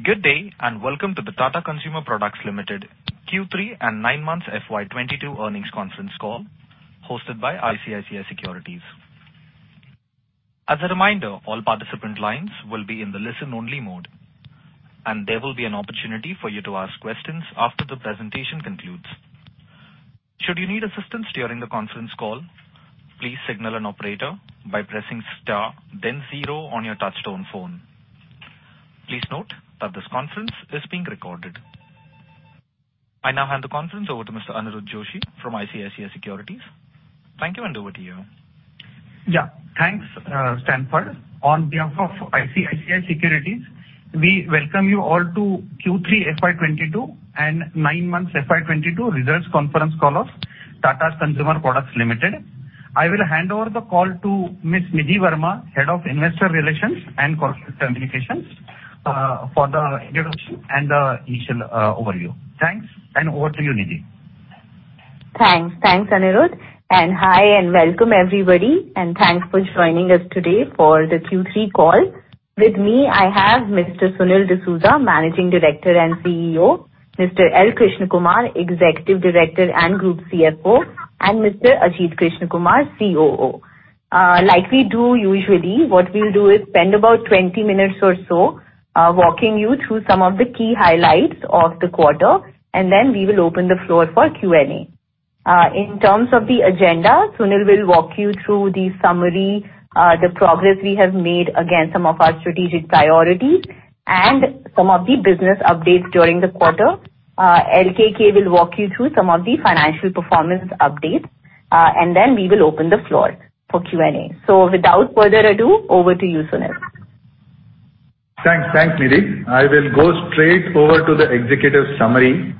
Good day, and welcome to the Tata Consumer Products Limited Q3 and Nine Months FY 2022 Earnings Conference Call hosted by ICICI Securities. As a reminder, all participant lines will be in the listen-only mode, and there will be an opportunity for you to ask questions after the presentation concludes. Should you need assistance during the conference call, please signal an operator by pressing star then zero on your touchtone phone. Please note that this conference is being recorded. I now hand the conference over to Mr. Aniruddha Joshi from ICICI Securities. Thank you, and over to you. Yeah. Thanks, Stanford. On behalf of ICICI Securities, we welcome you all to Q3 FY 2022 and nine months FY 2022 results conference call of Tata Consumer Products Limited. I will hand over the call to Ms. Nidhi Verma, Head of Investor Relations and Corporate Communications, for the introduction and the initial overview. Thanks, and over to you, Nidhi. Thanks. Thanks, Aniruddha. Hi and welcome, everybody. Thanks for joining us today for the Q3 call. With me, I have Mr. Sunil D'Souza, Managing Director and CEO, Mr. L. Krishna Kumar, Executive Director and Group CFO, and Mr. Ajit Krishnakumar, COO. Like we do usually, what we'll do is spend about 20 minutes or so, walking you through some of the key highlights of the quarter, and then we will open the floor for Q&A. In terms of the agenda, Sunil will walk you through the summary, the progress we have made against some of our strategic priorities and some of the business updates during the quarter. LKK will walk you through some of the financial performance updates, and then we will open the floor for Q&A. Without further ado, over to you, Sunil. Thanks. Thanks, Nidhi. I will go straight over to the executive summary.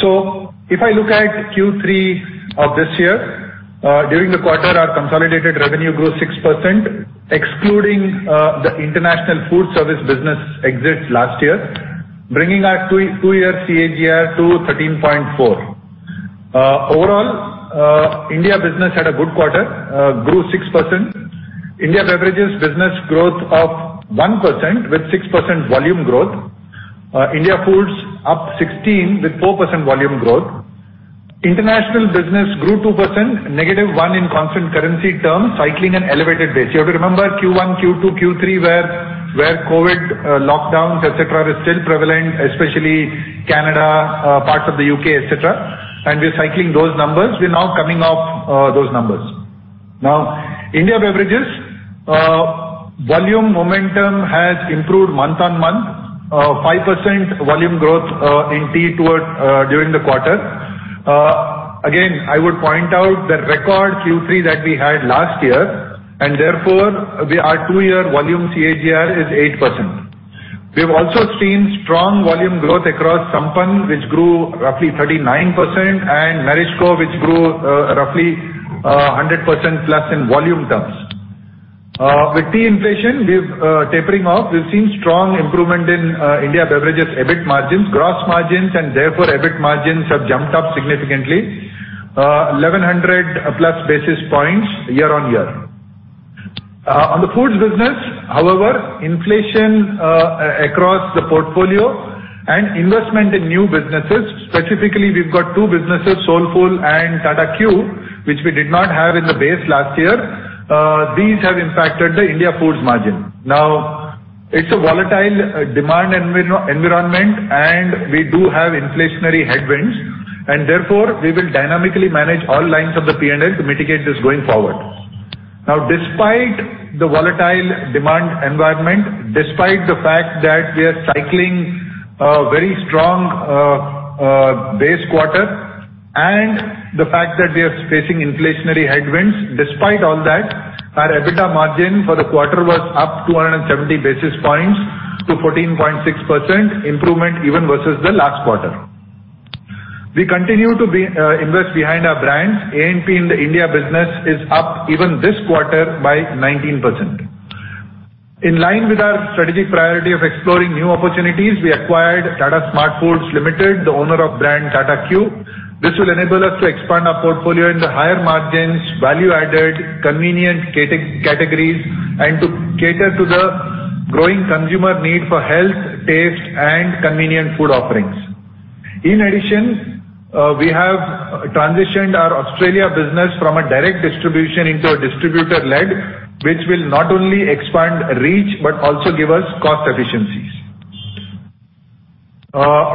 So if I look at Q3 of this year, during the quarter, our consolidated revenue grew 6%, excluding the international food service business exit last year, bringing our two-year CAGR to 13.4. Overall, India business had a good quarter, grew 6%. India beverages business growth of 1% with 6% volume growth. India foods up 16% with 4% volume growth. International business grew 2%, -1% in constant currency terms, cycling an elevated base. You have to remember Q1, Q2, Q3, where COVID lockdowns, et cetera, were still prevalent, especially Canada, parts of the U.K., et cetera, and we're cycling those numbers. We're now coming off those numbers. Now, India Beverages volume momentum has improved month-on-month, 5% volume growth in tea during the quarter. Again, I would point out the record Q3 that we had last year, and therefore our two-year volume CAGR is 8%. We've also seen strong volume growth across Sampann, which grew roughly 39%, and Tata Q, which grew roughly 100%+ in volume terms. With tea inflation tapering off. We've seen strong improvement in India Beverages EBIT margins. Gross margins, and therefore EBIT margins, have jumped up significantly, 1,100+ basis points year-on-year. On the foods business, however, inflation across the portfolio and investment in new businesses, specifically we've got two businesses, Soulfull and Tata Q, which we did not have in the base last year. These have impacted the India Foods margin. Now, it's a volatile demand environment, and we do have inflationary headwinds and therefore we will dynamically manage all lines of the P&L to mitigate this going forward. Now, despite the volatile demand environment, despite the fact that we are cycling a very strong base quarter and the fact that we are facing inflationary headwinds, despite all that, our EBITDA margin for the quarter was up 270 basis points to 14.6% improvement even versus the last quarter. We continue to invest behind our brands. A&P in the India business is up even this quarter by 19%. In line with our strategic priority of exploring new opportunities, we acquired Tata SmartFoodz Limited, the owner of brand Tata Q. This will enable us to expand our portfolio in the higher margins, value-added, convenient categories, and to cater to the growing consumer need for health, taste, and convenient food offerings. In addition, we have transitioned our Australia business from a direct distribution into a distributor-led, which will not only expand reach but also give us cost efficiencies.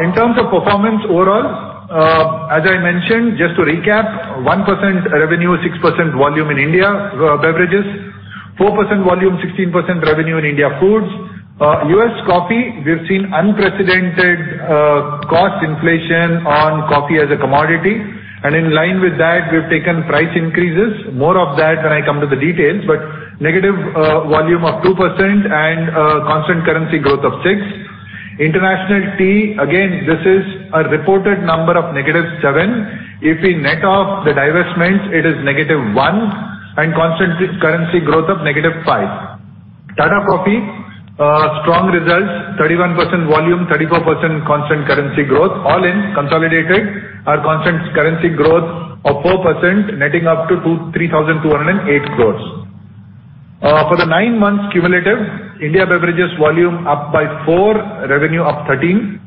In terms of performance overall, as I mentioned, just to recap, 1% revenue, 6% volume in India beverages. 4% volume, 16% revenue in India foods. US coffee, we've seen unprecedented cost inflation on coffee as a commodity, and in line with that, we've taken price increases. More of that when I come to the details, but negative volume of 2% and constant currency growth of 6%. International tea, again, this is a reported number of negative 7%. If we net off the divestments, it is -1% and constant currency growth of -5%. Tata Coffee, strong results, 31% volume, 34% constant currency growth. All in consolidated, our constant currency growth of 4% netting up to 23,208 crores. For the nine months cumulative, India beverages volume up by 4%, revenue up 13%.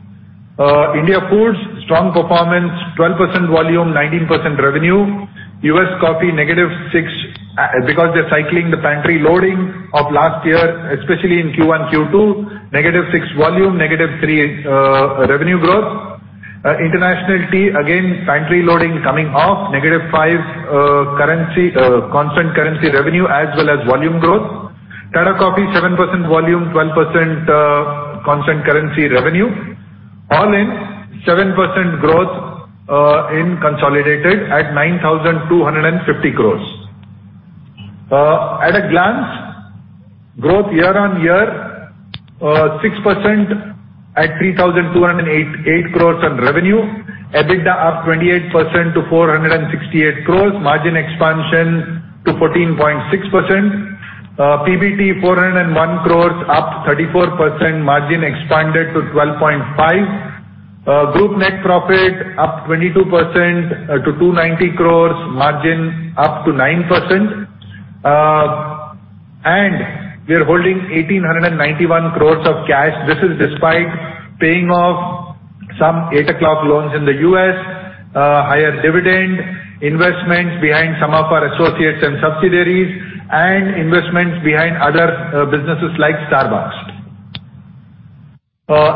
India foods, strong performance, 12% volume, 19% revenue. US coffee negative 6%, because they're cycling the pantry loading of last year, especially in Q1, Q2, negative 6% volume, negative 3% revenue growth. International tea, again, pantry loading coming off, negative 5% constant currency revenue as well as volume growth. Tata Coffee, 7% volume, 12% constant currency revenue. All in, 7% growth in consolidated at 9,250 crores. At a glance, growth year on year, 6% at 3,288 crores on revenue. EBITDA up 28% to 468 crores. Margin expansion to 14.6%. PBT 401 crores, up 34%. Margin expanded to 12.5%. Group net profit up 22% to 290 crores. Margin up to 9%. We are holding 1,891 crores of cash. This is despite paying off some Eight O'Clock loans in the U.S., higher dividend, investments behind some of our associates and subsidiaries, and investments behind other businesses like Starbucks.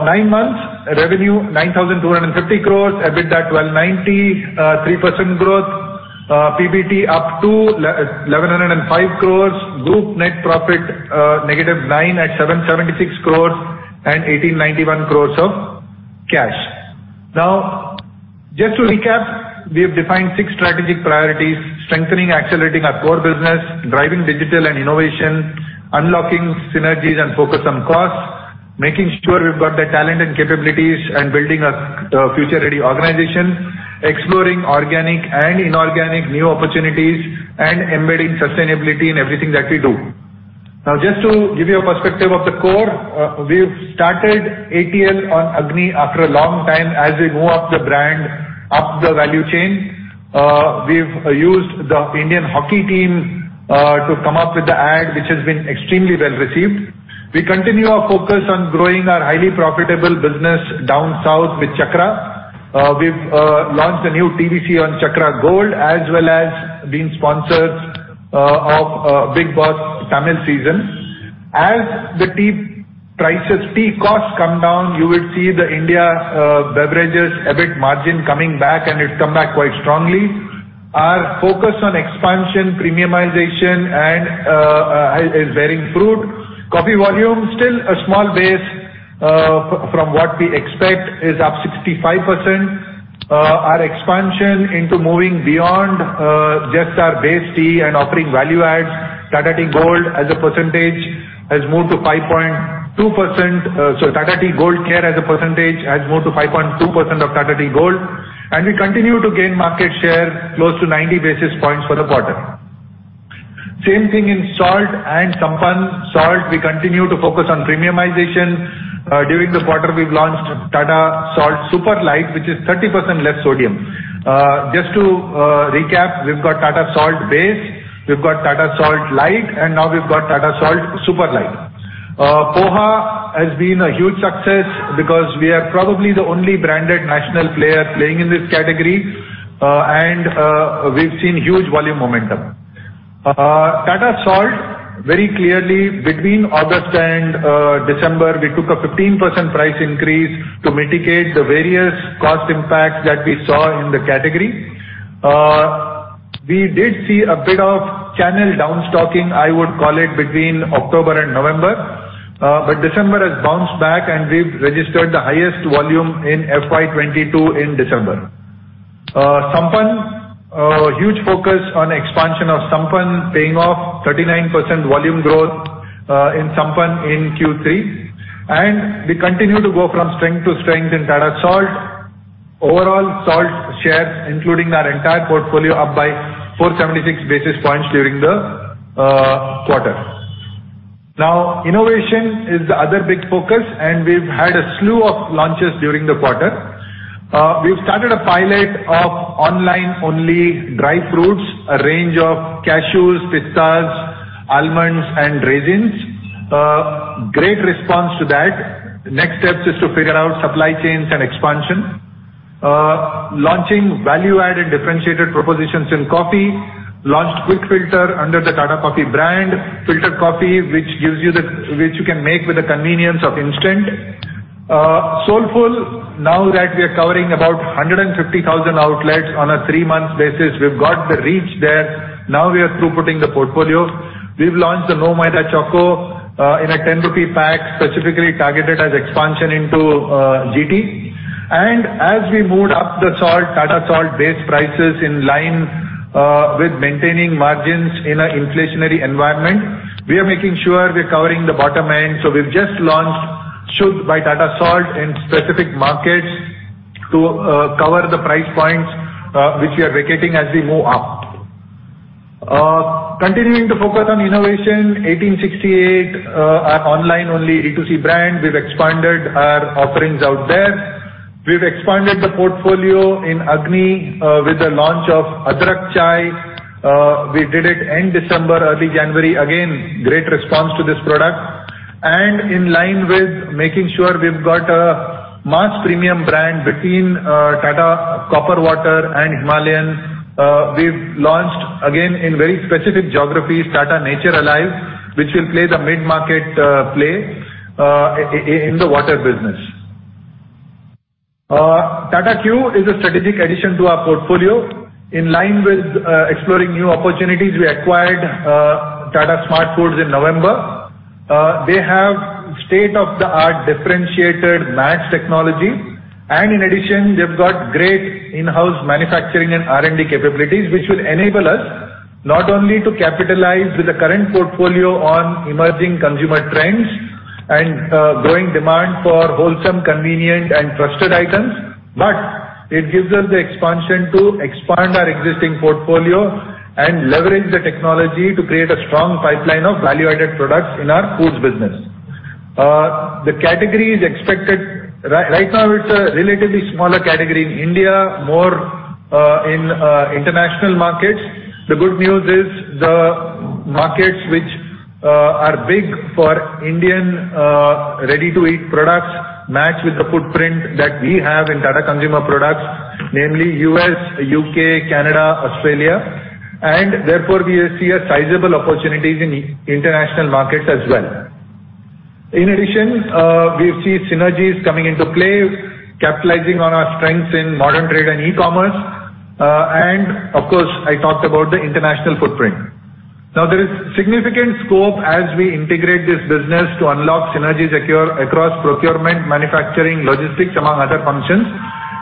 Nine months, revenue 9,250 crores. EBITDA 1,290 crores, 3% growth. PBT up to 1,105 crores. Group net profit negative 9% at 776 crores and 1,891 crores of cash. Now, just to recap, we have defined six strategic priorities: strengthening, accelerating our core business, driving digital and innovation, unlocking synergies and focus on costs, making sure we've got the talent and capabilities and building a future-ready organization, exploring organic and inorganic new opportunities, and embedding sustainability in everything that we do. Now, just to give you a perspective of the core, we've started ATL on Agni after a long time as we move up the brand, up the value chain. We've used the Indian hockey team to come up with the ad, which has been extremely well-received. We continue our focus on growing our highly profitable business down south with Chakra. We've launched a new TVC on Chakra Gold, as well as being sponsors of Bigg Boss Tamil season. As the tea costs come down, you will see the India beverages EBIT margin coming back, and it's come back quite strongly. Our focus on expansion, premiumization, and is bearing fruit. Coffee volume, still a small base, from what we expect, is up 65%. Our expansion into moving beyond just our base tea and offering value adds, Tata Tea Gold as a percentage has moved to 5.2%. So Tata Tea Gold share as a percentage has moved to 5.2% of Tata Tea Gold. We continue to gain market share close to 90 basis points for the quarter. Same thing in salt and Sampann. Salt, we continue to focus on premiumization. During the quarter, we've launched Tata Salt SuperLite, which is 30% less sodium. Just to recap, we've got Tata Salt Base, we've got Tata Salt Lite, and now we've got Tata Salt SuperLite. Poha has been a huge success because we are probably the only branded national player playing in this category, and we've seen huge volume momentum. Tata Salt, very clearly between August and December, we took a 15% price increase to mitigate the various cost impacts that we saw in the category. We did see a bit of channel downstocking, I would call it, between October and November. December has bounced back, and we've registered the highest volume in FY 2022 in December. Sampann, huge focus on expansion of Sampann paying off, 39% volume growth in Sampann in Q3. We continue to go from strength to strength in Tata Salt. Overall, salt shares, including our entire portfolio, up by 476 basis points during the quarter. Now, innovation is the other big focus, and we've had a slew of launches during the quarter. We've started a pilot of online-only dry fruits, a range of cashews, pistachios, almonds, and raisins. Great response to that. Next steps is to figure out supply chains and expansion. Launching value-added differentiated propositions in coffee. Launched Quick Filter under the Tata Coffee brand. Filter coffee which you can make with the convenience of instant. Soulfull, now that we are covering about 150,000 outlets on a three-month basis, we've got the reach there. Now we are through putting the portfolio. We've launched the No Maida Choco in an 10 rupee pack, specifically targeted as expansion into GT. As we moved up the salt, Tata Salt base prices in line with maintaining margins in an inflationary environment, we are making sure we're covering the bottom end. We've just launched Shudh by Tata Salt in specific markets to cover the price points which we are vacating as we move up. Continuing to focus on innovation, 1868, our online only D2C brand, we've expanded our offerings out there. We've expanded the portfolio in Agni with the launch of Adrak Chai. We did it end December, early January. Again, great response to this product. In line with making sure we've got a mass premium brand between Tata Copper+ and Himalayan, we've launched again in very specific geographies, Tata Spring Alive, which will play the mid-market play in the water business. Tata Q is a strategic addition to our portfolio. In line with exploring new opportunities, we acquired Tata SmartFoodz in November. They have state-of-the-art differentiated MATS technology. In addition, they've got great in-house manufacturing and R&D capabilities, which will enable us not only to capitalize with the current portfolio on emerging consumer trends and growing demand for wholesome, convenient, and trusted items, but it gives us the expansion to expand our existing portfolio and leverage the technology to create a strong pipeline of value-added products in our foods business. The category is expected... Right now it's a relatively smaller category in India, more in international markets. The good news is the markets which are big for Indian ready-to-eat products match with the footprint that we have in Tata Consumer Products, namely U.S., U.K., Canada, Australia, and therefore we see a sizable opportunities in international markets as well. In addition, we see synergies coming into play, capitalizing on our strengths in modern trade and e-commerce. Of course, I talked about the international footprint. Now, there is significant scope as we integrate this business to unlock synergies across procurement, manufacturing, logistics, among other functions,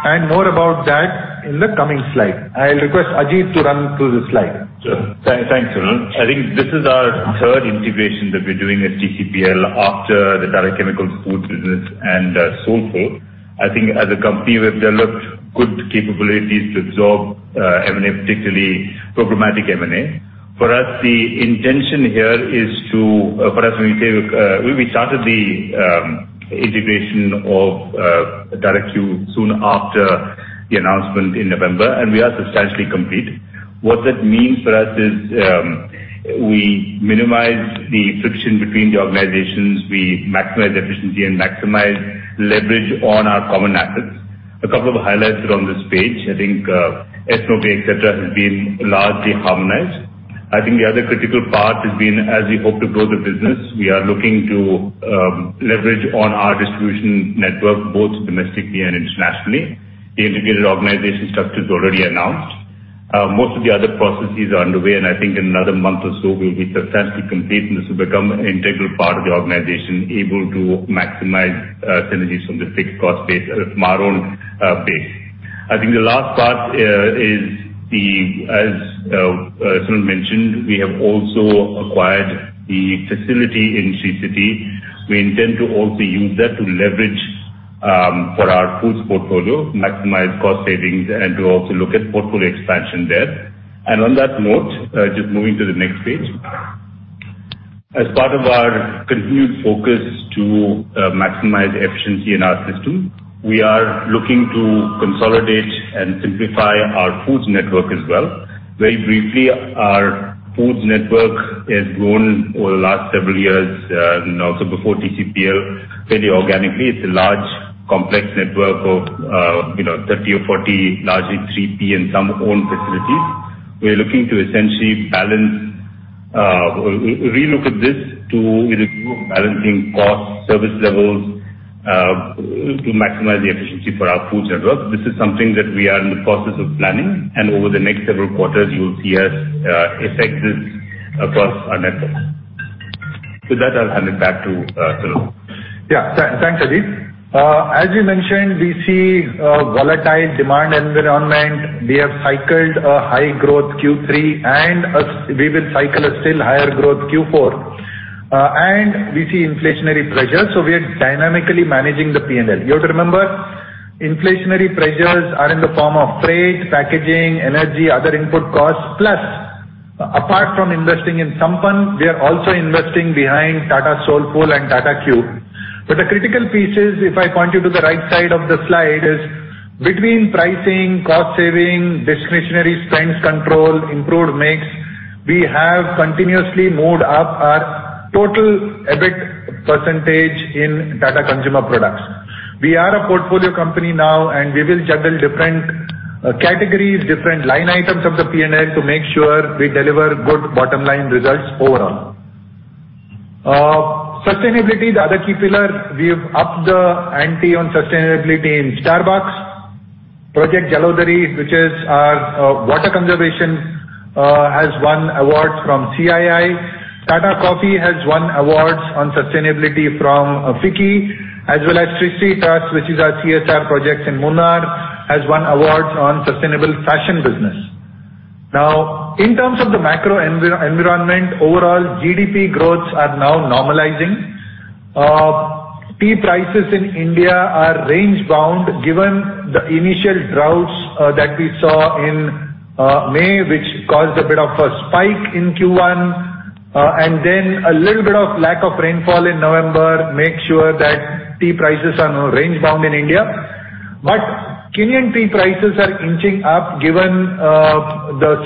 and more about that in the coming slide. I'll request Ajit to run through the slide. Sure. Thanks, Sunil. I think this is our third integration that we're doing at TCPL after the Tata Chemicals food business and Soulfull. I think as a company, we've developed good capabilities to absorb M&A, particularly programmatic M&A. For us, the intention here is. For us, when we say we started the integration of Tata Q soon after the announcement in November, and we are substantially complete. What that means for us is we minimize the friction between the organizations. We maximize efficiency and maximize leverage on our common assets. A couple of highlights are on this page. I think S&OP, et cetera, has been largely harmonized. I think the other critical part has been, as we hope to grow the business, we are looking to leverage on our distribution network, both domestically and internationally. The integrated organization structure is already announced. Most of the other processes are underway, and I think in another month or so we'll be substantially complete, and this will become an integral part of the organization, able to maximize synergies from the fixed cost base from our own base. I think the last part is. As Sunil mentioned, we have also acquired the facility in Sri City. We intend to also use that to leverage for our foods portfolio, maximize cost savings, and to also look at portfolio expansion there. On that note, just moving to the next page. As part of our continued focus to maximize efficiency in our system, we are looking to consolidate and simplify our foods network as well. Very briefly, our foods network has grown over the last several years and also before TCPL, fairly organically. It's a large complex network of, you know, 30 or 40, largely 3P and some owned facilities. We are looking to essentially balance, relook at this to review balancing cost, service levels, to maximize the efficiency for our foods network. This is something that we are in the process of planning, and over the next several quarters you will see us effect this across our network. With that, I'll hand it back to Sunil. Yeah. Thanks, Ajit. As we mentioned, we see a volatile demand environment. We have cycled a high growth Q3 and we will cycle a still higher growth Q4. We see inflationary pressures, so we are dynamically managing the P&L. You have to remember, inflationary pressures are in the form of freight, packaging, energy, other input costs. Plus, apart from investing in Tata Sampann, we are also investing behind Tata Soulfull and Tata Q. The critical piece is, if I point you to the right side of the slide, between pricing, cost saving, discretionary spends control, improved mix, we have continuously moved up our total EBIT percentage in Tata Consumer Products. We are a portfolio company now, and we will juggle different categories, different line items of the P&L to make sure we deliver good bottom line results overall. Sustainability, the other key pillar. We have upped the ante on sustainability in Starbucks. Project Jalodhar, which is our water conservation, has won awards from CII. Tata Coffee has won awards on sustainability from FICCI, as well as Srishti Trust, which is our CSR project in Munnar, has won awards on sustainable fashion business. Now, in terms of the macro environment, overall GDP growths are now normalizing. Tea prices in India are range-bound given the initial droughts that we saw in May, which caused a bit of a spike in Q1. And then a little bit of lack of rainfall in November makes sure that tea prices are now range-bound in India. But Kenyan tea prices are inching up given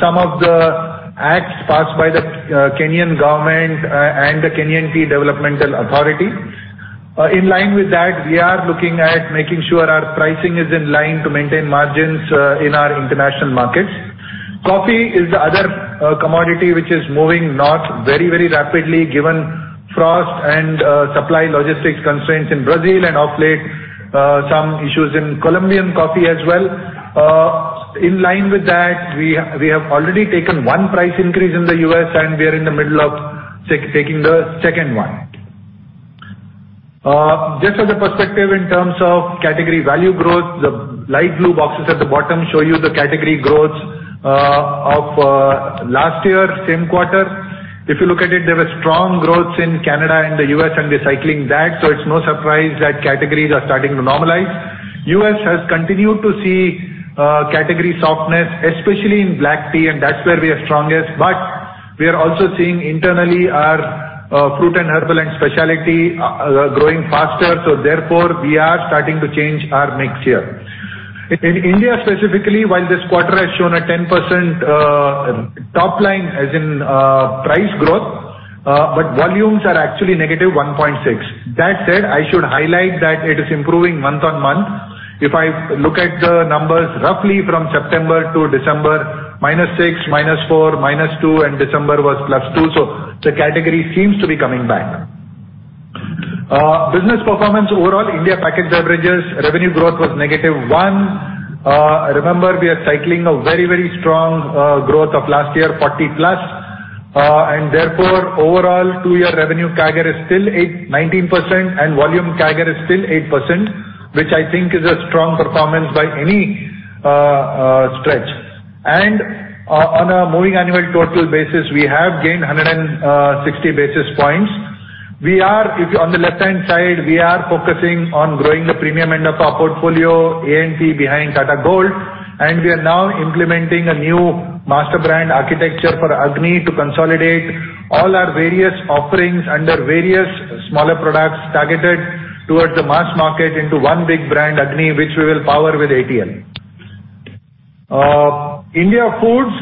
some of the acts passed by the Kenyan government, and the Kenya Tea Development Agency. In line with that, we are looking at making sure our pricing is in line to maintain margins in our international markets. Coffee is the other commodity which is moving north very, very rapidly given frost and supply logistics constraints in Brazil and of late some issues in Colombian coffee as well. In line with that, we have already taken one price increase in the U.S. and we are in the middle of taking the second one. Just as a perspective in terms of category value growth, the light blue boxes at the bottom show you the category growth of last year same quarter. If you look at it, there were strong growths in Canada and the U.S. and we're cycling that, so it's no surprise that categories are starting to normalize. U.S. has continued to see category softness, especially in black tea, and that's where we are strongest. We are also seeing internally our fruit and herbal and specialty growing faster, so therefore we are starting to change our mix here. In India specifically, while this quarter has shown a 10% top line, as in price growth, volumes are actually -1.6%. That said, I should highlight that it is improving month-on-month. If I look at the numbers roughly from September to December, -6%, -4%, -2%, and December was +2%, so the category seems to be coming back. Business performance overall, India packaged beverages revenue growth was -1%. Remember we are cycling a very, very strong growth of last year, 40+%. Therefore, overall two-year revenue CAGR is still 8%-19% and volume CAGR is still 8%, which I think is a strong performance by any stretch. On a moving annual total basis, we have gained 160 basis points. On the left-hand side, we are focusing on growing the premium end of our portfolio, A&P behind Tata Gold, and we are now implementing a new master brand architecture for Agni to consolidate all our various offerings under various smaller products targeted towards the mass market into one big brand, Agni, which we will power with ATL. India Foods,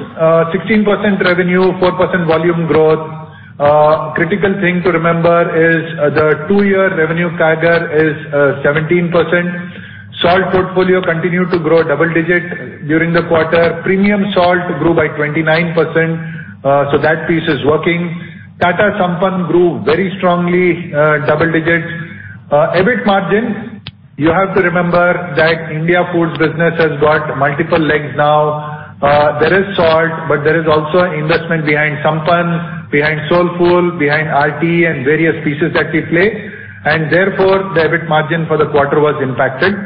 16% revenue, 4% volume growth. Critical thing to remember is the two-year revenue CAGR is 17%. Salt portfolio continued to grow double-digit during the quarter. Premium salt grew by 29%, so that piece is working. Tata Sampann grew very strongly, double digits. EBIT margins, you have to remember that India Foods business has got multiple legs now. There is Salt, but there is also investment behind Sampann, behind Soulfull, behind RTE and various pieces that we play. Therefore, the EBIT margin for the quarter was impacted.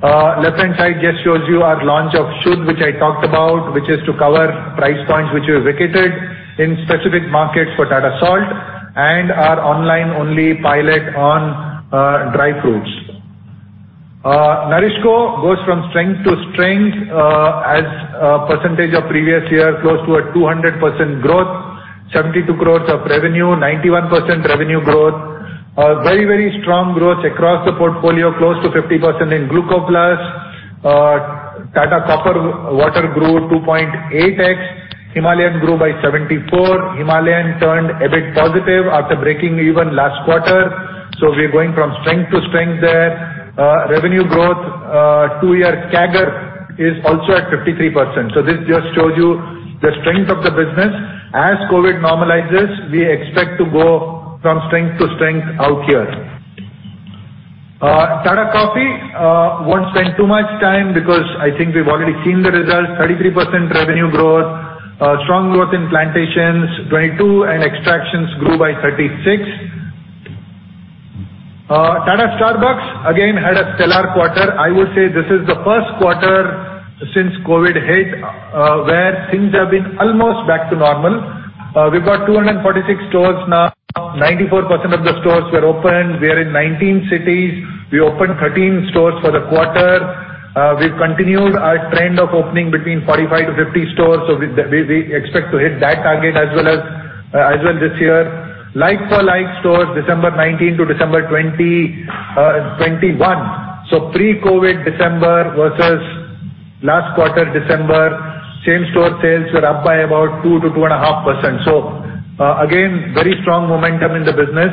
Left-hand side just shows you our launch of Shudh, which I talked about, which is to cover price points which we vacated in specific markets for Tata Salt and our online-only pilot on dry fruits. NourishCo goes from strength to strength, as a percentage of previous year, close to 200% growth, 72 crores of revenue, 91% revenue growth. Very, very strong growth across the portfolio, close to 50% in Gluco+, Tata Copper+ grew 2.8x, Himalayan grew by 74%. Himalayan turned a bit positive after breaking even last quarter. We're going from strength to strength there. Revenue growth, two-year CAGR is also at 53%. This just shows you the strength of the business. As COVID normalizes, we expect to go from strength to strength out here. Tata Coffee, won't spend too much time because I think we've already seen the results. 33% revenue growth, strong growth in plantations, 22%, and extractions grew by 36%. Tata Starbucks, again, had a stellar quarter. I would say this is the first quarter since COVID hit, where things have been almost back to normal. We've got 246 stores now. 94% of the stores were open. We are in 19 cities. We opened 13 stores for the quarter. We've continued our trend of opening between 45-50 stores. We expect to hit that target as well as well this year. Like-for-like stores, December 2019 to December 2021. Pre-COVID December versus last quarter December, same store sales were up by about 2%-2.5%. Again, very strong momentum in the business.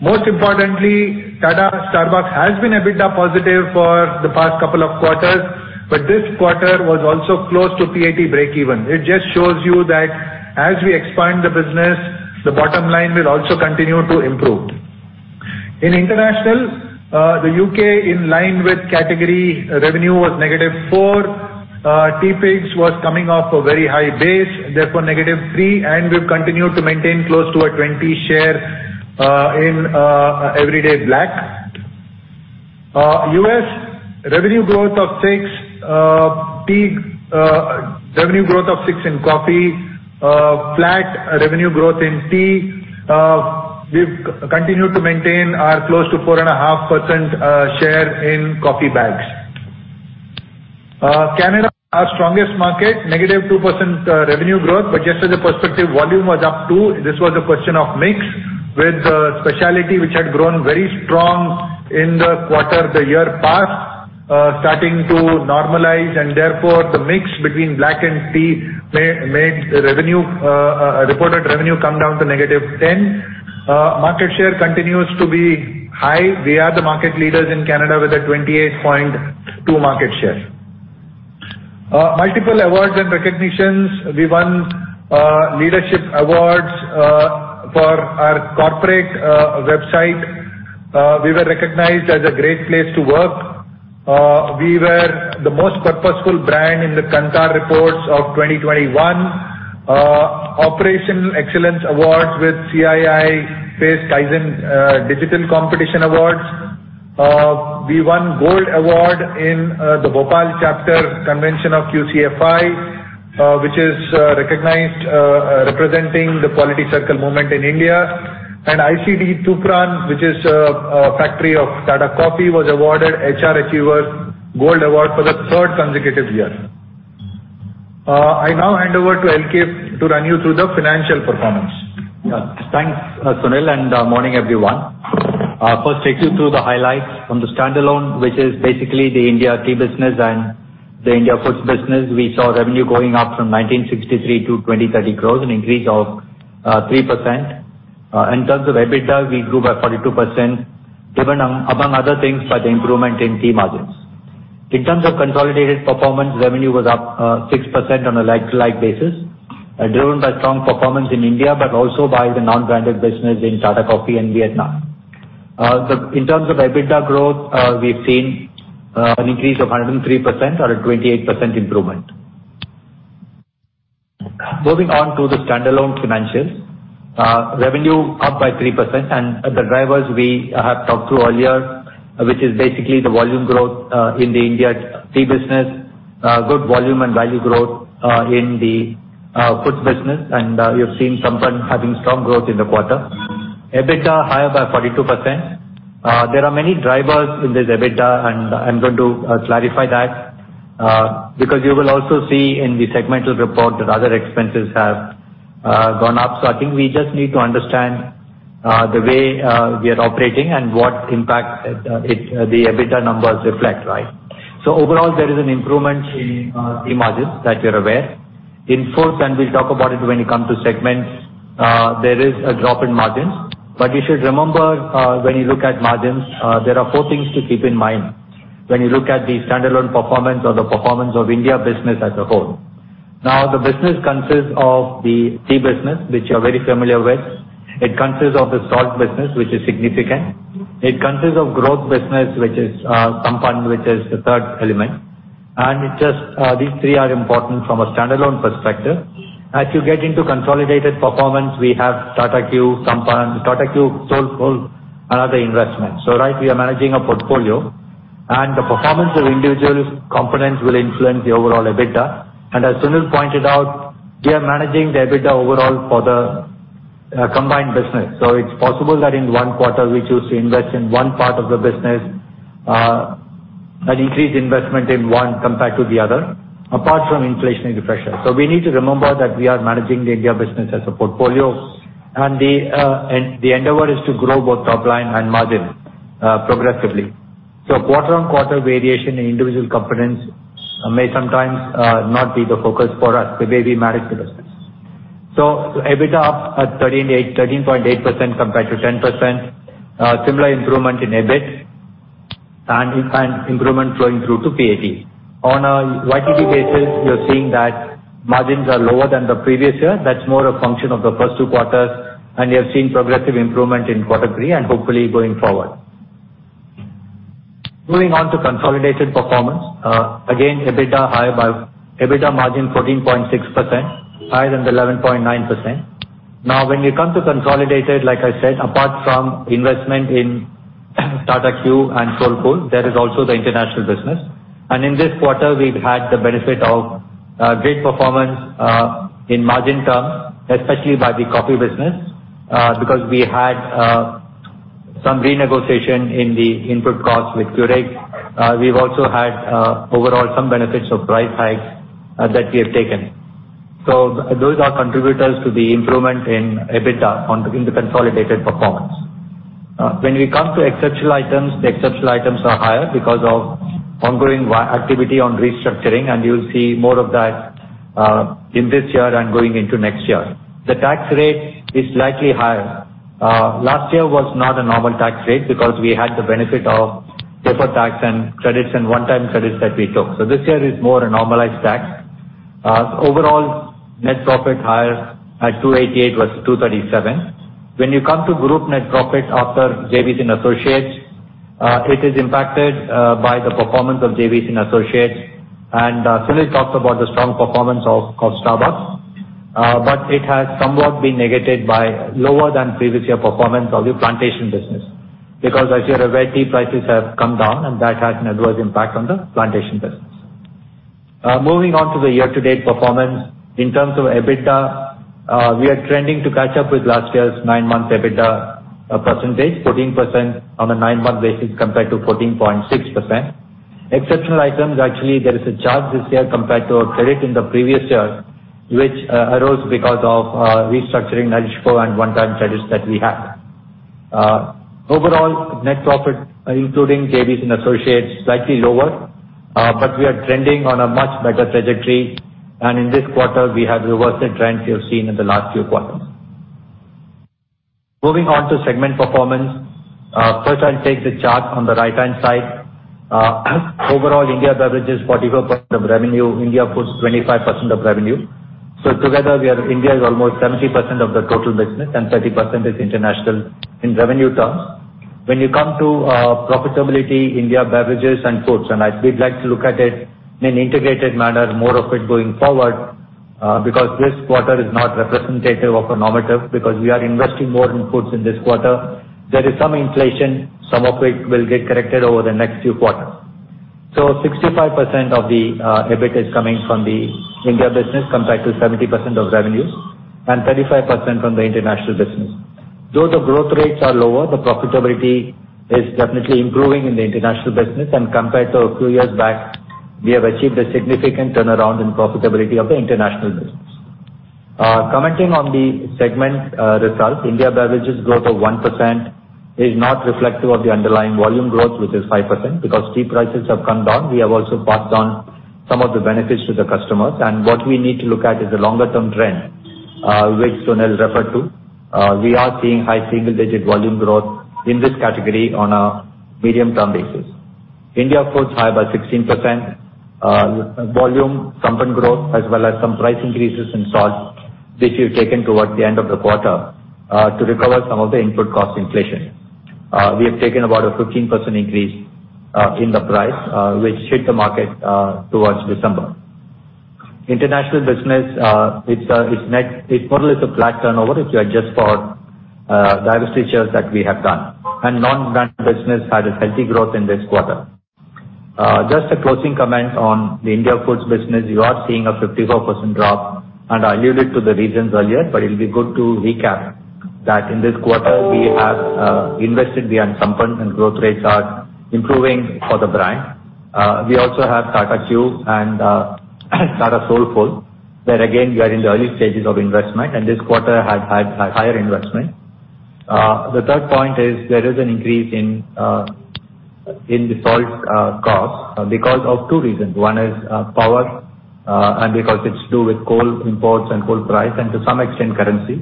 Most importantly, Tata Starbucks has been EBIT positive for the past couple of quarters, but this quarter was also close to PAT breakeven. It just shows you that as we expand the business, the bottom line will also continue to improve. In international, the U.K. in line with category revenue was -4%. Teapigs was coming off a very high base, therefore -3%, and we've continued to maintain close to a 20% share in Everyday Black. U.S. revenue growth of 6%, tea revenue growth of 6% in coffee, flat revenue growth in tea. We've continued to maintain our close to 4.5% share in coffee bags. Canada, our strongest market, -2% revenue growth. Just as a perspective, volume was up 2%. This was a question of mix with specialty, which had grown very strong in the quarter the year past, starting to normalize. Therefore, the mix between black and tea made reported revenue come down to -10%. Market share continues to be high. We are the market leaders in Canada with a 28.2% market share. Multiple awards and recognitions. We won leadership awards for our corporate website. We were recognized as a great place to work. We were the most purposeful brand in the Kantar reports of 2021. Operational excellence awards with CII PACE Kaizen Digital Competition Awards. We won gold award in the Bhopal Chapter Convention of QCFI, which is recognized representing the quality circle movement in India. ICD Toopran, which is a factory of Tata Coffee, was awarded HRF Award Gold Award for the third consecutive year. I now hand over to LK to run you through the financial performance. Yeah. Thanks, Sunil, and morning, everyone. First, I'll take you through the highlights from the standalone, which is basically the India tea business and the India foods business. We saw revenue going up from 1,963 crore to 2,030 crore, an increase of 3%. In terms of EBITDA, we grew by 42%, driven among other things, by the improvement in tea margins. In terms of consolidated performance, revenue was up 6% on a like-for-like basis, driven by strong performance in India, but also by the non-branded business in Tata Coffee and Vietnam. In terms of EBITDA growth, we've seen an increase of 103% or a 28% improvement. Moving on to the standalone financials. Revenue up by 3%. The drivers we have talked through earlier, which is basically the volume growth in the India tea business, good volume and value growth in the foods business. You've seen Sampann having strong growth in the quarter. EBITDA higher by 42%. There are many drivers in this EBITDA, and I'm going to clarify that, because you will also see in the segmental report that other expenses have gone up. I think we just need to understand the way we are operating and what impact it, the EBITDA numbers reflect, right? Overall, there is an improvement in tea margins that you're aware. In foods, and we'll talk about it when you come to segments, there is a drop in margins. You should remember, when you look at margins, there are four things to keep in mind when you look at the standalone performance or the performance of India business as a whole. Now, the business consists of the tea business, which you are very familiar with. It consists of the salt business, which is significant. It consists of growth business, which is Sampann, which is the third element. These three are important from a standalone perspective. As you get into consolidated performance, we have Tata Q, Sampann. Tata Q, Soulfull, and other investments. Right, we are managing a portfolio, and the performance of individual components will influence the overall EBITDA. As Sunil pointed out, we are managing the EBITDA overall for the combined business. It's possible that in one quarter we choose to invest in one part of the business, an increased investment in one compared to the other, apart from inflationary pressure. We need to remember that we are managing the India business as a portfolio, and the endeavor is to grow both top line and margin progressively. Quarter-on-quarter variation in individual components may sometimes not be the focus for us, the way we manage the business. EBITDA up 13.8% compared to 10%. Similar improvement in EBIT and improvement flowing through to PAT. On a YoY basis, you're seeing that margins are lower than the previous year. That's more a function of the first two quarters, and you're seeing progressive improvement in quarter three and hopefully going forward. Moving on to consolidated performance. EBITDA margin 14.6%, higher than the 11.9%. Now, when you come to consolidated, like I said, apart from investment in Tata Q and Soulfull, there is also the international business. In this quarter, we've had the benefit of great performance in margin terms, especially by the coffee business, because we had some renegotiation in the input costs with Keurig. We've also had overall some benefits of price hikes that we have taken. Those are contributors to the improvement in EBITDA in the consolidated performance. When we come to exceptional items, the exceptional items are higher because of ongoing activity on restructuring, and you'll see more of that in this year and going into next year. The tax rate is slightly higher. Last year was not a normal tax rate because we had the benefit of paper tax and credits and one-time credits that we took. This year is more a normalized tax. Overall net profit higher at 288 versus 237. When you come to group net profit after JVs and associates, it is impacted by the performance of JVs and associates. Sunil talked about the strong performance of Starbucks. It has somewhat been negated by lower than previous year performance of the plantation business. Because as you're aware, tea prices have come down, and that had an adverse impact on the plantation business. Moving on to the year-to-date performance. In terms of EBITDA, we are trending to catch up with last year's nine-month EBITDA percentage, 14% on a nine-month basis compared to 14.6%. Exceptional items, actually, there is a charge this year compared to a credit in the previous year, which arose because of restructuring and one-time credits that we have. Overall net profit, including JVs and associates, slightly lower, but we are trending on a much better trajectory, and in this quarter, we have reversed the trends we have seen in the last few quarters. Moving on to segment performance. First, I'll take the chart on the right-hand side. Overall, India beverages, 44% of revenue. India Foods, 25% of revenue. So together, India is almost 70% of the total business, and 30% is international in revenue terms. When you come to profitability, India Beverages and Foods, we'd like to look at it in an integrated manner, more of it going forward, because this quarter is not representative of a normative because we are investing more in foods in this quarter. There is some inflation, some of which will get corrected over the next few quarters. 65% of the EBIT is coming from the India business compared to 70% of revenues and 35% from the international business. Though the growth rates are lower, the profitability is definitely improving in the international business. Compared to a few years back, we have achieved a significant turnaround in profitability of the international business. Commenting on the segment results, India Beverages growth of 1% is not reflective of the underlying volume growth, which is 5%, because tea prices have come down. We have also passed on some of the benefits to the customers, and what we need to look at is the longer-term trend, which Sunil referred to. We are seeing high single-digit volume growth in this category on a medium-term basis. India Foods [grew] high by 16%. Volume [from] Sampann growth, as well as some price increases in salt, which we've taken towards the end of the quarter, to recover some of the input cost inflation. We have taken about a 15% increase in the price, which hit the market towards December. International business, it's net... It's more or less a flat turnover if you adjust for divestitures that we have done. Non-brand business had a healthy growth in this quarter. Just a closing comment on the India Foods business. You are seeing a 54% drop, and I alluded to the reasons earlier, but it'll be good to recap that in this quarter, we have invested behind Tata Sampann and growth rates are improving for the brand. We also have Tata Q and Tata Soulfull, where again, we are in the early stages of investment and this quarter had higher investment. The third point is there is an increase in the salt cost because of two reasons. One is power, and because it's to do with coal imports and coal price and to some extent currency.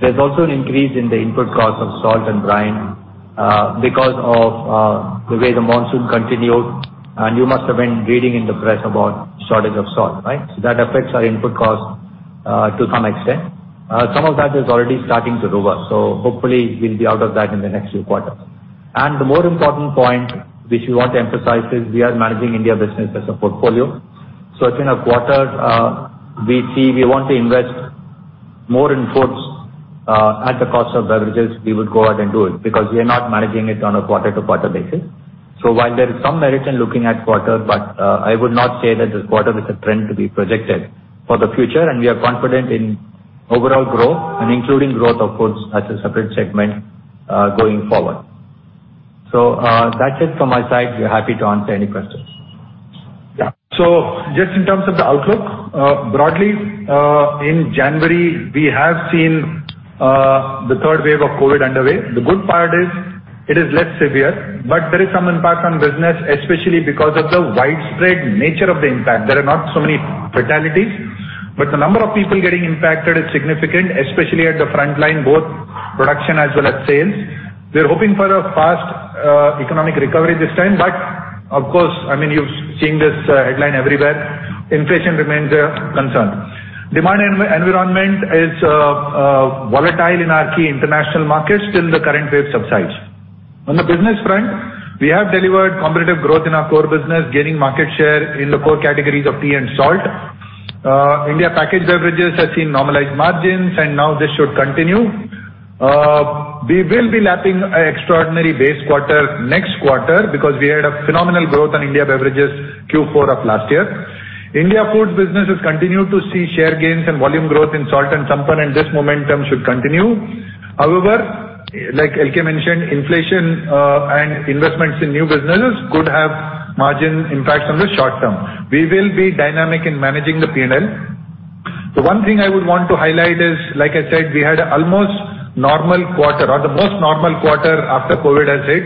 There's also an increase in the input cost of salt and brine, because of the way the monsoon continued. You must have been reading in the press about shortage of salt, right? That affects our input cost, to some extent. Some of that is already starting to revert, so hopefully we'll be out of that in the next few quarters. The more important point which we want to emphasize is we are managing India business as a portfolio. If in a quarter, we see we want to invest more in foods, at the cost of beverages, we will go out and do it because we are not managing it on a quarter-to-quarter basis. While there is some merit in looking at quarter, but I would not say that this quarter is a trend to be projected for the future. We are confident in overall growth and including growth of foods as a separate segment, going forward. That's it from my side. We are happy to answer any questions. Yeah. Just in terms of the outlook, broadly, in January, we have seen the third wave of COVID underway. The good part is it is less severe, but there is some impact on business, especially because of the widespread nature of the impact. There are not so many fatalities, but the number of people getting impacted is significant, especially at the front line, both production as well as sales. We're hoping for a fast economic recovery this time, but of course, I mean you've seen this headline everywhere. Inflation remains a concern. Demand environment is volatile in our key international markets till the current wave subsides. On the business front, we have delivered competitive growth in our core business, gaining market share in the core categories of tea and salt. India packaged beverages has seen normalized margins and now this should continue. We will be lapping an extraordinary base quarter next quarter because we had a phenomenal growth on India beverages Q4 of last year. India Foods businesses continue to see share gains and volume growth in salt and Sampann, and this momentum should continue. However, like LK mentioned, inflation and investments in new businesses could have margin impacts on the short term. We will be dynamic in managing the P&L. The one thing I would want to highlight is, like I said, we had almost normal quarter or the most normal quarter after COVID has hit,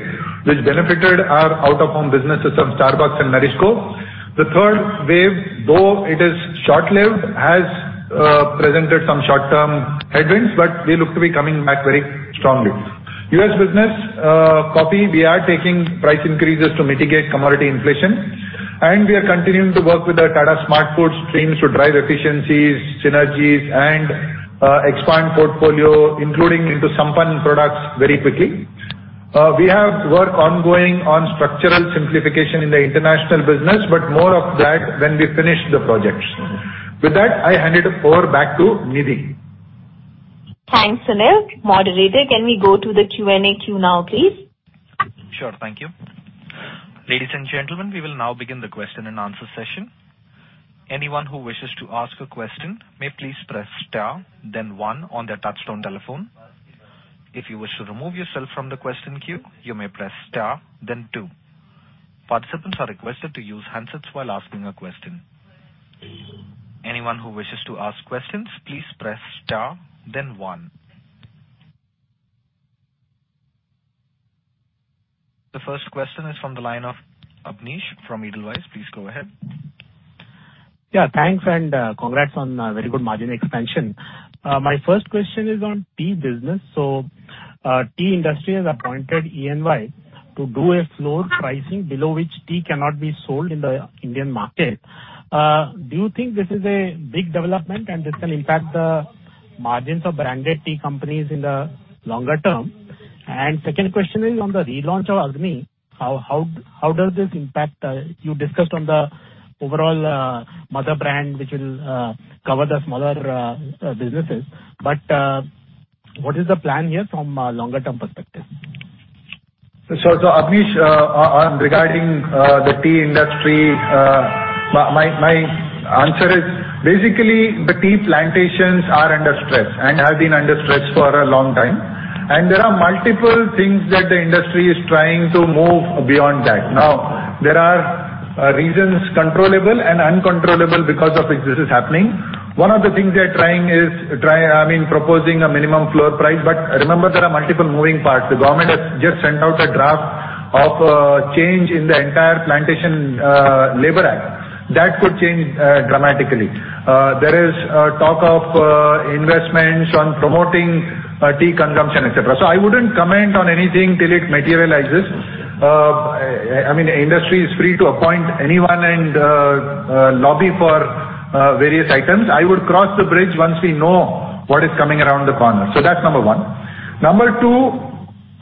which benefited our out of home businesses on Starbucks and NourishCo. The third wave, though it is short-lived, has presented some short-term headwinds, but we look to be coming back very strongly. U.S. business, coffee, we are taking price increases to mitigate commodity inflation, and we are continuing to work with our Tata SmartFoodz to drive efficiencies, synergies and expand portfolio, including into Tata Sampann products very quickly. We have work ongoing on structural simplification in the international business, but more of that when we finish the projects. With that, I hand it over back to Nidhi. Thanks, Sunil. Moderator, can we go to the Q&A queue now, please? Sure. Thank you. Ladies and gentlemen, we will now begin the question and answer session. Anyone who wishes to ask a question, may please press star, then one on their touch tone telephone. If you wish to remove yourself from the question queue, you may press star, then two. Participants are requested to use handsets while asking a question. Anyone who wishes to ask a questions please press star then one. The first question is from the line of Abneesh from Edelweiss. Please go ahead. Yeah, thanks. Congrats on very good margin expansion. My first question is on tea business. Tea industry has appointed EY to do a floor pricing below which tea cannot be sold in the Indian market. Do you think this is a big development and this can impact the margins of branded tea companies in the longer term? Second question is on the relaunch of Agni. How does this impact? You discussed on the overall mother brand, which will cover the smaller businesses. What is the plan here from a longer-term perspective? Abneesh, regarding the tea industry, my answer is basically the tea plantations are under stress and have been under stress for a long time. There are multiple things that the industry is trying to move beyond that. Now, there are reasons controllable and uncontrollable because of which this is happening. One of the things they are trying is I mean, proposing a minimum floor price. Remember, there are multiple moving parts. The government has just sent out a draft of change in the entire plantation labor act. That could change dramatically. There is talk of investments on promoting tea consumption, et cetera. I wouldn't comment on anything till it materializes. I mean, industry is free to appoint anyone and lobby for various items. I would cross the bridge once we know what is coming around the corner. That's number one. Number two,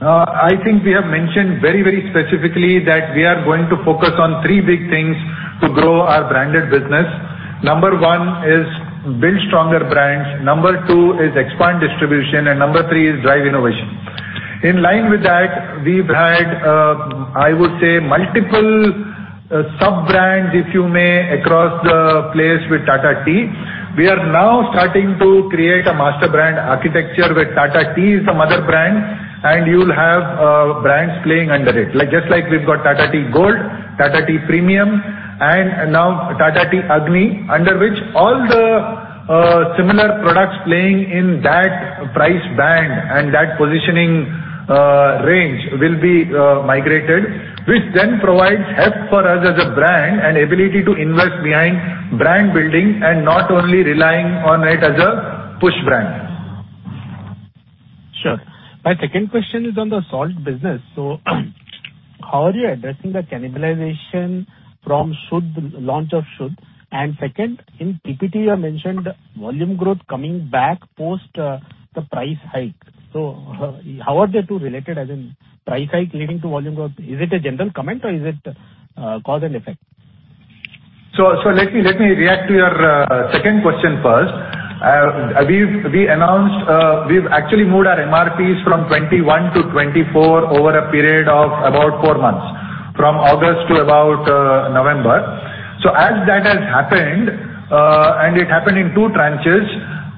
I think we have mentioned very, very specifically that we are going to focus on three big things to grow our branded business. Number one is build stronger brands, number two is expand distribution, and number three is drive innovation. In line with that, we've had, I would say multiple, sub-brands, if you may, across the place with Tata Tea. We are now starting to create a master brand architecture where Tata Tea is the mother brand, and you'll have, brands playing under it. Like, just like we've got Tata Tea Gold, Tata Tea Premium, and now Tata Tea Agni, under which all the similar products playing in that price band and that positioning range will be migrated, which then provides help for us as a brand and ability to invest behind brand building and not only relying on it as a push brand. Sure. My second question is on the salt business. How are you addressing the cannibalization from Shudh, launch of Shudh? Second, in PPT you have mentioned volume growth coming back post the price hike. How are the two related, as in price hike leading to volume growth? Is it a general comment or is it cause and effect? Let me react to your second question first. We announced we've actually moved our MRPs from 21 to 24 over a period of about four months, from August to about November. As that has happened, and it happened in two tranches,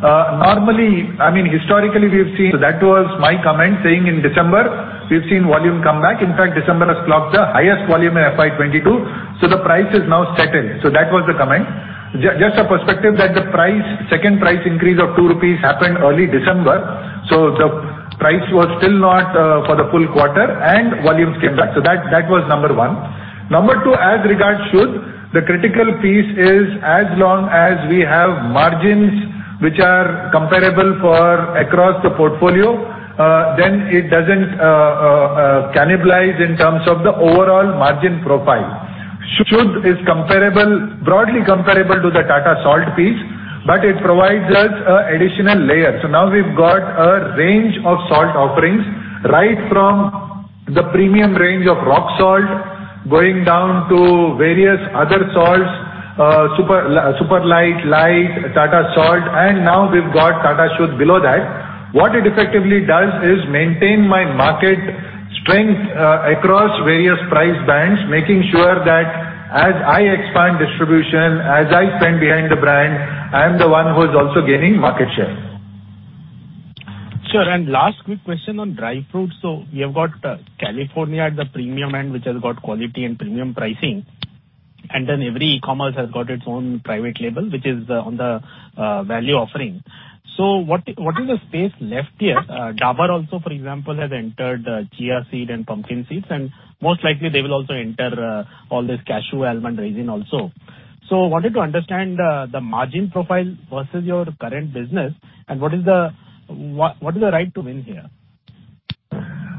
normally, I mean, historically we have seen, that was my comment saying in December we've seen volume come back. In fact, December has clocked the highest volume in FY 2022. The price is now settled. That was the comment. Just a perspective that the second price increase of 2 rupees happened early December. The price was still not for the full quarter and volumes came back. That was number one. Number two, as regards Shudh, the critical piece is as long as we have margins which are comparable across the portfolio, then it doesn't cannibalize in terms of the overall margin profile. Shudh is comparable, broadly comparable to the Tata Salt piece, but it provides us an additional layer. Now we've got a range of salt offerings, right from the premium range of rock salt, going down to various other salts, Tata Salt SuperLite, Tata Salt Lite, Tata Salt, and now we've got Tata Shudh below that. What it effectively does is maintain my market strength across various price bands, making sure that as I expand distribution, as I spend behind the brand, I'm the one who is also gaining market share. Sure. Last quick question on dry fruits. We have got California at the premium end, which has got quality and premium pricing. E-commerce has got its own private label, which is on the value offering. What is the space left here? Dabur also, for example, has entered chia seed and pumpkin seeds, and most likely they will also enter all this cashew, almond, raisin also. Wanted to understand the margin profile versus your current business and what is the right to win here?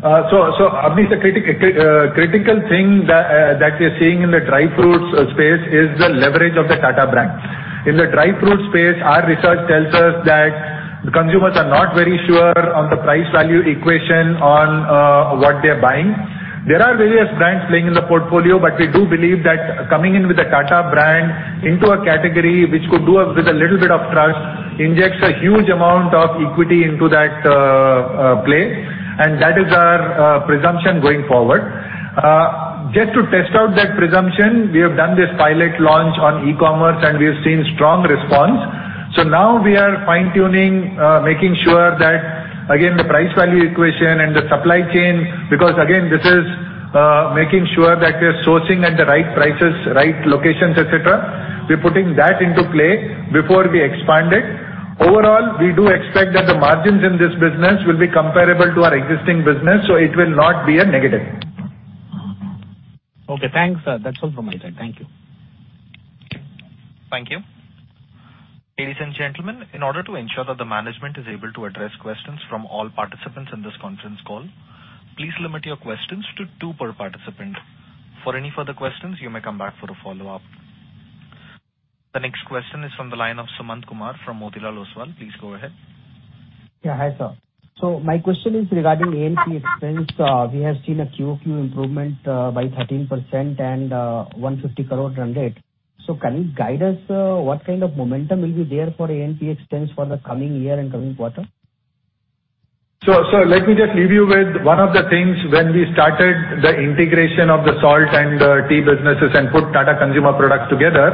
Abneesh, the critical thing that we're seeing in the dry fruits space is the leverage of the Tata brand. In the dry fruit space, our research tells us that the consumers are not very sure on the price value equation on what they're buying. There are various brands playing in the portfolio, but we do believe that coming in with a Tata brand into a category which could do with a little bit of trust injects a huge amount of equity into that play, and that is our presumption going forward. Just to test out that presumption, we have done this pilot launch on e-commerce, and we have seen strong response. Now we are fine-tuning, making sure that again, the price value equation and the supply chain, because again, this is, making sure that we're sourcing at the right prices, right locations, et cetera. We're putting that into play before we expand it. Overall, we do expect that the margins in this business will be comparable to our existing business, so it will not be a negative. Okay, thanks. That's all from my side. Thank you. Thank you. Ladies and gentlemen, in order to ensure that the management is able to address questions from all participants in this conference call, please limit your questions to two per participant. For any further questions, you may come back for a follow-up. The next question is from the line of Sumant Kumar from Motilal Oswal. Please go ahead. Yeah, hi, sir. My question is regarding A&P expense. We have seen a QoQ improvement by 13% and 150 crore run rate. Can you guide us what kind of momentum will be there for A&P expense for the coming year and coming quarter? Let me just leave you with one of the things when we started the integration of the salt and tea businesses and put Tata Consumer Products together,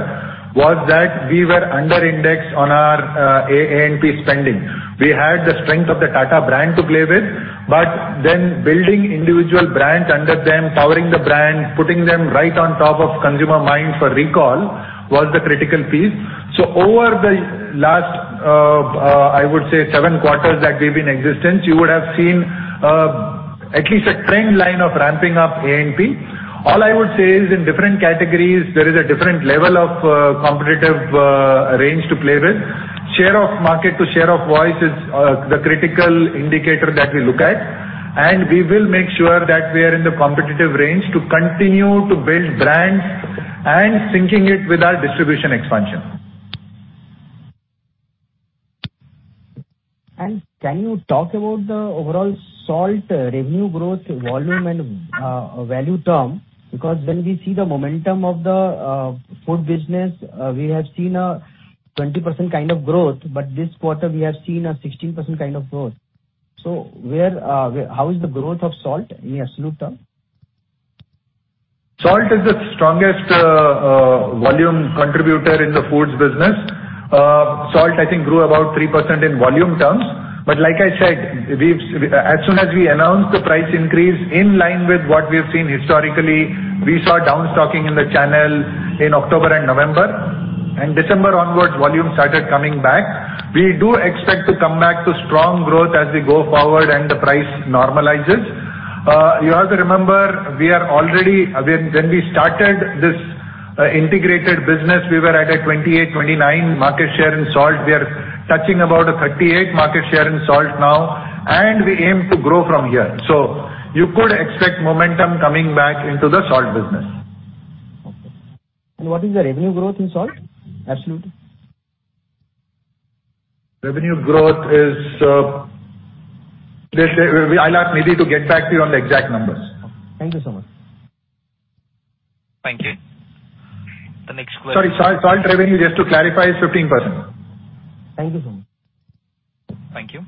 was that we were under-indexed on our A&P spending. We had the strength of the Tata brand to play with, but then building individual brands under them, powering the brand, putting them right on top of consumer mind for recall was the critical piece. Over the last seven quarters that we've been in existence, you would have seen at least a trend line of ramping up A&P. All I would say is in different categories, there is a different level of competitive range to play with. Share of market to share of voice is the critical indicator that we look at, and we will make sure that we are in the competitive range to continue to build brands and syncing it with our distribution expansion. Can you talk about the overall salt revenue growth volume and value term? Because when we see the momentum of the food business, we have seen a 20% kind of growth, but this quarter we have seen a 16% kind of growth. So, how is the growth of salt in absolute terms? Salt is the strongest volume contributor in the foods business. Salt, I think, grew about 3% in volume terms. Like I said, as soon as we announced the price increase in line with what we have seen historically, we saw down stocking in the channel in October and November. December onwards, volume started coming back. We do expect to come back to strong growth as we go forward and the price normalizes. You have to remember, we are already. When we started this integrated business, we were at a 28%-29% market share in salt. We are touching about a 38% market share in salt now, and we aim to grow from here. You could expect momentum coming back into the salt business. Okay. What is the revenue growth in salt? Absolutely. Revenue growth is this. I'll ask Nidhi to get back to you on the exact numbers. Thank you so much. Thank you. The next question. Sorry, salt revenue, just to clarify, is 15%. Thank you so much. Thank you.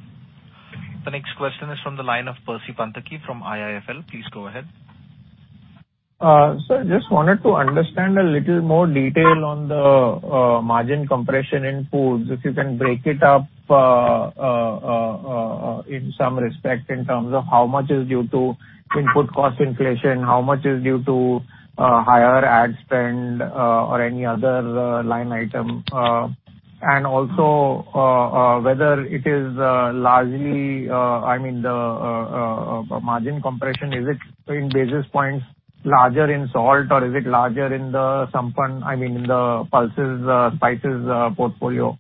The next question is from the line of Percy Panthaki from IIFL. Please go ahead. Sir, just wanted to understand a little more detail on the margin compression in foods. If you can break it up in some respect in terms of how much is due to input cost inflation, how much is due to higher ad spend or any other line item. Also, whether it is largely, I mean the margin compression, is it in basis points larger in salt or is it larger in the Sampann, I mean in the pulses, spices portfolio?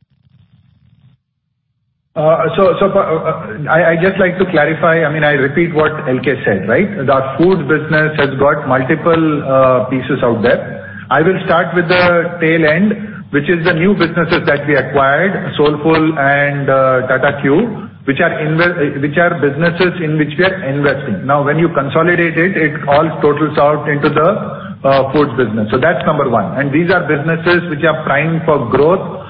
I just like to clarify. I mean, I repeat what LK said, right? The foods business has got multiple pieces out there. I will start with the tail end, which is the new businesses that we acquired, Soulfull and Tata Q, which are businesses in which we are investing. Now, when you consolidate it all totals out into the foods business. That's number one. These are businesses which are primed for growth,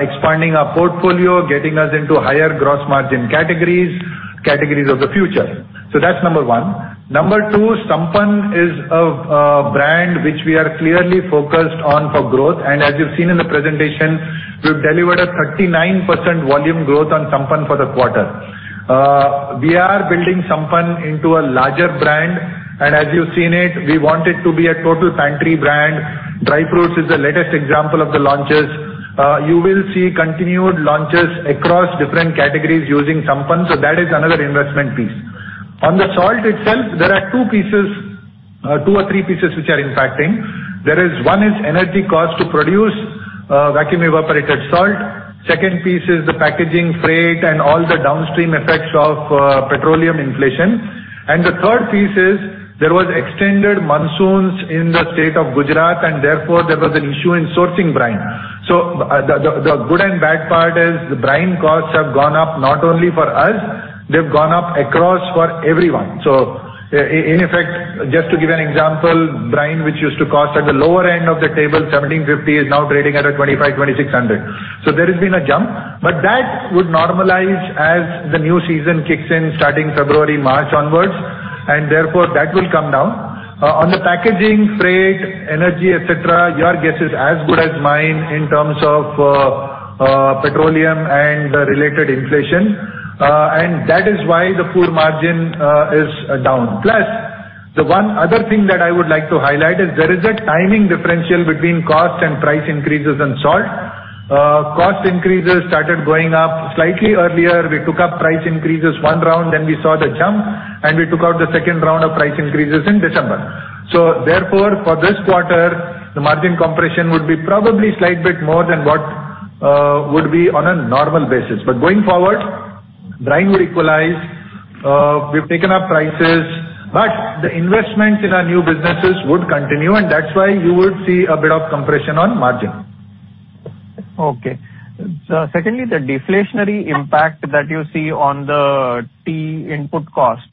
expanding our portfolio, getting us into higher gross margin categories of the future. That's number one. Number two, Sampann is a brand which we are clearly focused on for growth. As you've seen in the presentation, we've delivered a 39% volume growth on Sampann for the quarter. We are building Sampann into a larger brand. As you've seen it, we want it to be a total pantry brand. Dry fruits is the latest example of the launches. You will see continued launches across different categories using Sampann. That is another investment piece. On the salt itself, there are two or three pieces which are impacting. One is energy cost to produce vacuum evaporated salt. Second piece is the packaging freight and all the downstream effects of petroleum inflation. The third piece is there was extended monsoons in the state of Gujarat, and therefore, there was an issue in sourcing brine. The good and bad part is the brine costs have gone up, not only for us, they've gone up across for everyone. In effect, just to give an example, brine, which used to cost at the lower end of the table, 1,750, is now trading at 2,500-2,600. There has been a jump. That would normalize as the new season kicks in starting February, March onwards, and therefore, that will come down. On the packaging, freight, energy, et cetera, your guess is as good as mine in terms of petroleum and the related inflation. And that is why the food margin is down. Plus, the one other thing that I would like to highlight is there is a timing differential between cost and price increases in salt. Cost increases started going up slightly earlier. We took up price increases one round, then we saw the jump, and we took out the second round of price increases in December. Therefore, for this quarter, the margin compression would be probably slight bit more than what would be on a normal basis. Going forward, brine will equalize. We've taken up prices. The investments in our new businesses would continue, and that's why you would see a bit of compression on margin. Secondly, the deflationary impact that you see on the tea input cost,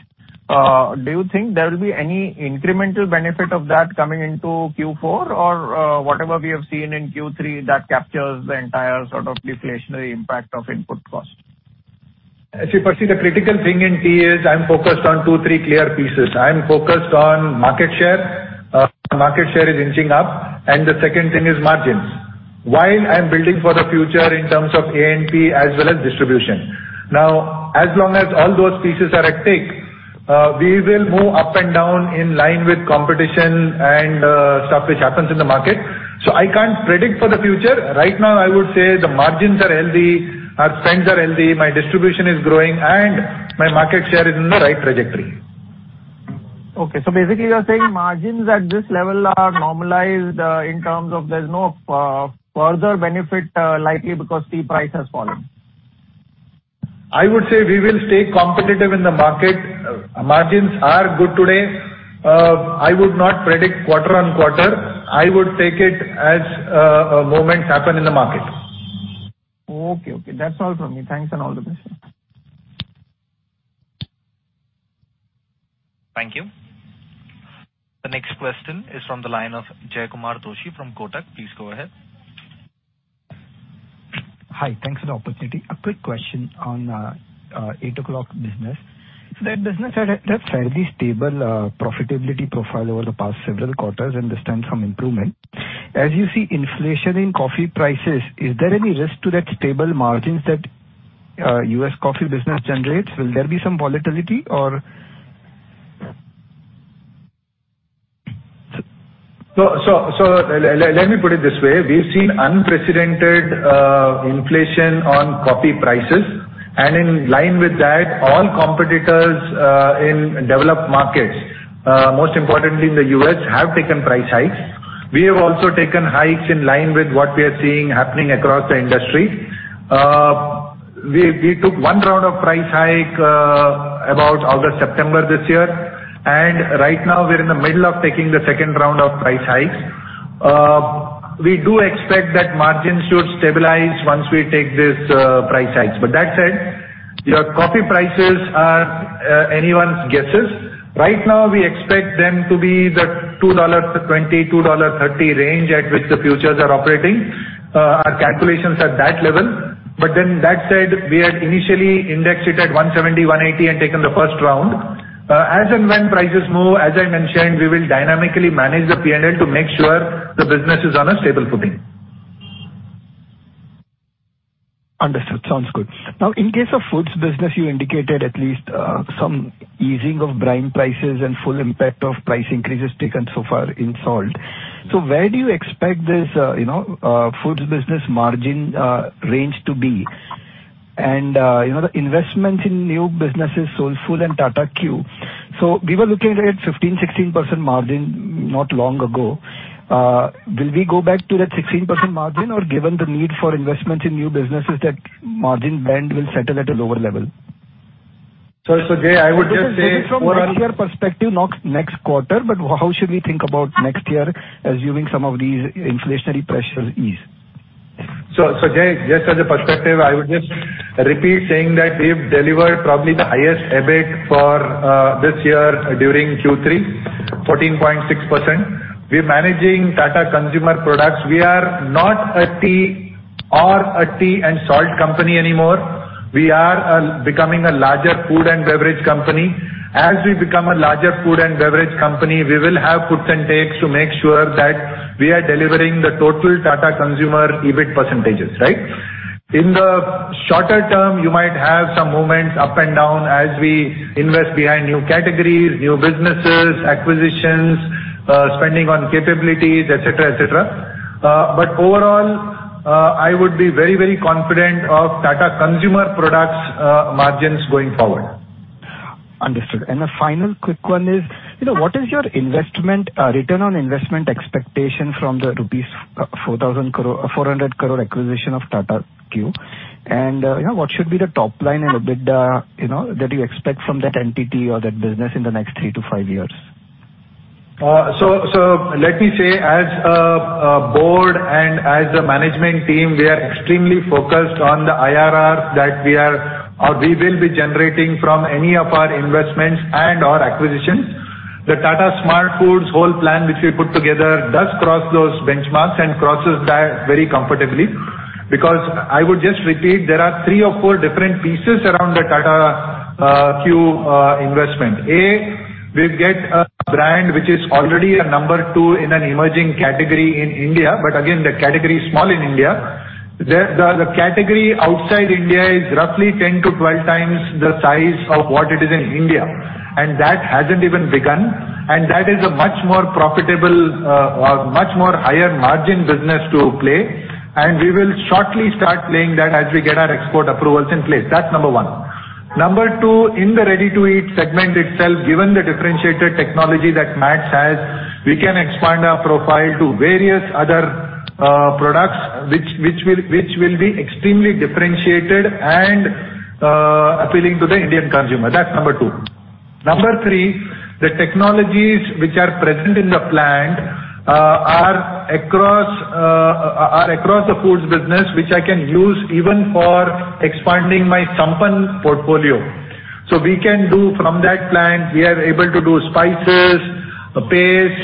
do you think there will be any incremental benefit of that coming into Q4 or whatever we have seen in Q3 that captures the entire sort of deflationary impact of input cost? See, Percy, the critical thing in tea is I'm focused on two, three clear pieces. I'm focused on market share. Market share is inching up, and the second thing is margins while I'm building for the future in terms of A&P as well as distribution. Now, as long as all those pieces are at stake, we will move up and down in line with competition and stuff which happens in the market. I can't predict for the future. Right now, I would say the margins are healthy, our strengths are healthy, my distribution is growing, and my market share is in the right trajectory. Okay. Basically you're saying margins at this level are normalized, in terms of there's no further benefit, likely because tea price has fallen. I would say we will stay competitive in the market. Margins are good today. I would not predict quarter-on-quarter. I would take it as, moments happen in the market. Okay. Okay. That's all from me. Thanks and all the best. Thank you. The next question is from the line of Jaykumar Doshi from Kotak. Please go ahead. Hi. Thanks for the opportunity. A quick question on Eight O'Clock business. That business had a fairly stable profitability profile over the past several quarters and this time some improvement. As you see inflation in coffee prices, is there any risk to that stable margins that U.S. coffee business generates? Will there be some volatility or Let me put it this way. We've seen unprecedented inflation on coffee prices, and in line with that, all competitors in developed markets, most importantly in the U.S., have taken price hikes. We have also taken hikes in line with what we are seeing happening across the industry. We took one round of price hike about August, September this year, and right now we're in the middle of taking the second round of price hikes. We do expect that margins should stabilize once we take these price hikes. That said, your coffee prices are anyone's guesses. Right now we expect them to be the $2.20-$2.30 range at which the futures are operating. Our calculation's at that level. That said, we had initially indexed it at 170-180 and taken the first round. As and when prices move, as I mentioned, we will dynamically manage the P&L to make sure the business is on a stable footing. Understood. Sounds good. Now, in case of foods business, you indicated at least some easing of brine prices and full impact of price increases taken so far in salt. Where do you expect this, you know, foods business margin range to be? And, you know, the investments in new businesses, Soulfull and Tata Q. We were looking at 15%-16% margin not long ago. Will we go back to that 16% margin or given the need for investments in new businesses that margin band will settle at a lower level? Jay, I would just say. Just from one year perspective, not next quarter, but how should we think about next year assuming some of these inflationary pressures ease? Jay, just as a perspective, I would just repeat saying that we've delivered probably the highest EBIT for this year during Q3, 14.6%. We're managing Tata Consumer Products. We are not a tea or salt company anymore. We are becoming a larger food and beverage company. As we become a larger food and beverage company, we will have puts and takes to make sure that we are delivering the total Tata Consumer EBIT percentages, right? In the shorter term, you might have some moments up and down as we invest behind new categories, new businesses, acquisitions, spending on capabilities, et cetera, et cetera. Overall, I would be very, very confident of Tata Consumer Products margins going forward. Understood. The final quick one is, you know, what is your investment return on investment expectation from the 400 crore acquisition of Tata Q? You know, what should be the top line and EBITDA that you expect from that entity or that business in the next three-five years? Let me say, as a Board and as a management team, we are extremely focused on the IRR that we are or we will be generating from any of our investments and/or acquisitions. The Tata SmartFoodz whole plan, which we put together, does cross those benchmarks and crosses that very comfortably. I would just repeat, there are three or four different pieces around the Tata Q investment. A, we'll get a brand which is already a number two in an emerging category in India. Again, the category is small in India. The category outside India is roughly 10-12 times the size of what it is in India, and that hasn't even begun, and that is a much more profitable or much more higher margin business to play. We will shortly start playing that as we get our export approvals in place. That's number one. Number two, in the ready-to-eat segment itself, given the differentiated technology that MATS has, we can expand our profile to various other products which will be extremely differentiated and appealing to the Indian consumer. That's number two. Number three, the technologies which are present in the plant are across the foods business, which I can use even for expanding my Sampann portfolio. We can do from that plant; we are able to do spices, paste,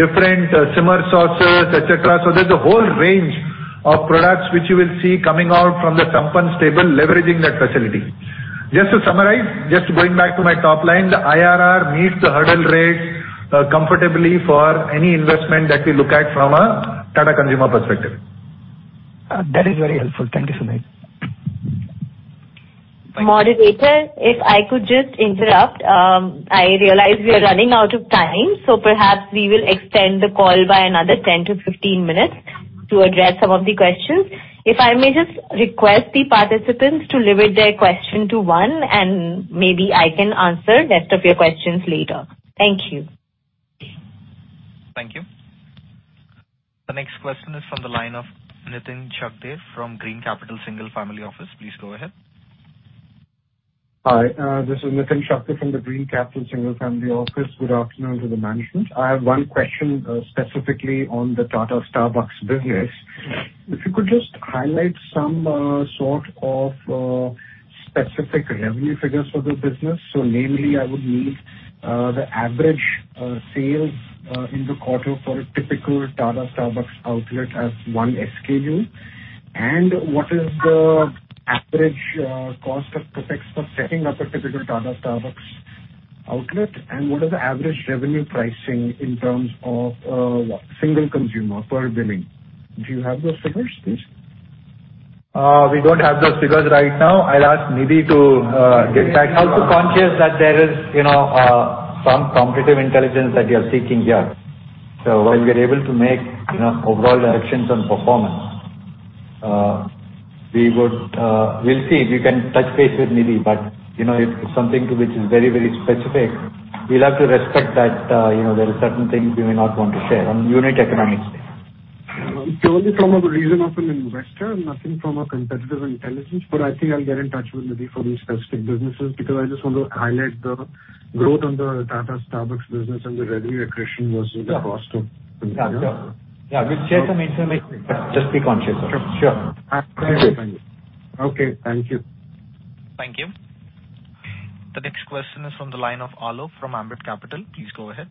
different simmer sauces, et cetera. There's a whole range of products which you will see coming out from the Sampann stable, leveraging that facility. Just to summarize, just going back to my top line, the IRR meets the hurdle rates comfortably for any investment that we look at from a Tata Consumer perspective. That is very helpful. Thank you, Sunil. Moderator, if I could just interrupt. I realize we are running out of time, so perhaps we will extend the call by another 10-15 minutes to address some of the questions. If I may just request the participants to limit their question to one, and maybe I can answer rest of your questions later. Thank you. Thank you. The next question is from the line of Nitin Shakdher from Green Capital Single Family Office. Please go ahead. Hi, this is Nitin Shakdher from the Green Capital Single Family Office. Good afternoon to the management. I have one question, specifically on the Tata Starbucks business. If you could just highlight some, sort of, specific revenue figures for the business. So namely, I would need the average sales in the quarter for a typical Tata Starbucks outlet as one SKU. And what is the average cost of setting up a typical Tata Starbucks outlet, and what is the average revenue pricing in terms of single consumer per billing? Do you have those figures, please? We don't have those figures right now. I'll ask Nidhi to get back to you on that. Just conscious that there is, you know, some competitive intelligence that you're seeking here. While we are able to make, you know, overall directions on performance, we'll see. We can touch base with Nidhi. You know, if it's something which is very, very specific, we'll have to respect that, you know, there are certain things we may not want to share on unit economics. Purely from a reason of an investor, nothing from a competitive intelligence. I think I'll get in touch with Nidhi for these specific businesses, because I just want to highlight the growth on the Tata Starbucks business and the revenue accretion versus the cost of- Yeah. Yeah, we'll share some information. Just be conscious of it. Sure. Okay. Thank you. Thank you. The next question is from the line of Alok from Ambit Capital. Please go ahead.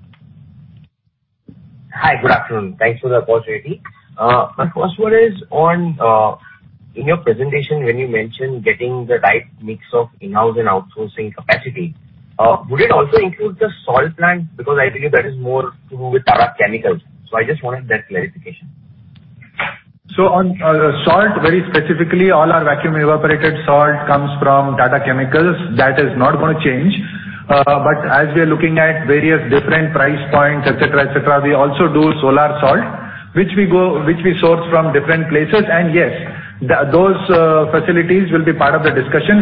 Hi. Good afternoon. Thanks for the opportunity. My first one is on, in your presentation, when you mentioned getting the right mix of in-house and outsourcing capacity, would it also include the salt plant? Because I believe that is more to do with Tata Chemicals. I just wanted that clarification. On salt, very specifically, all our vacuum evaporated salt comes from Tata Chemicals. That is not gonna change. As we are looking at various different price points, et cetera, et cetera, we also do solar salt, which we source from different places. Yes, those facilities will be part of the discussion.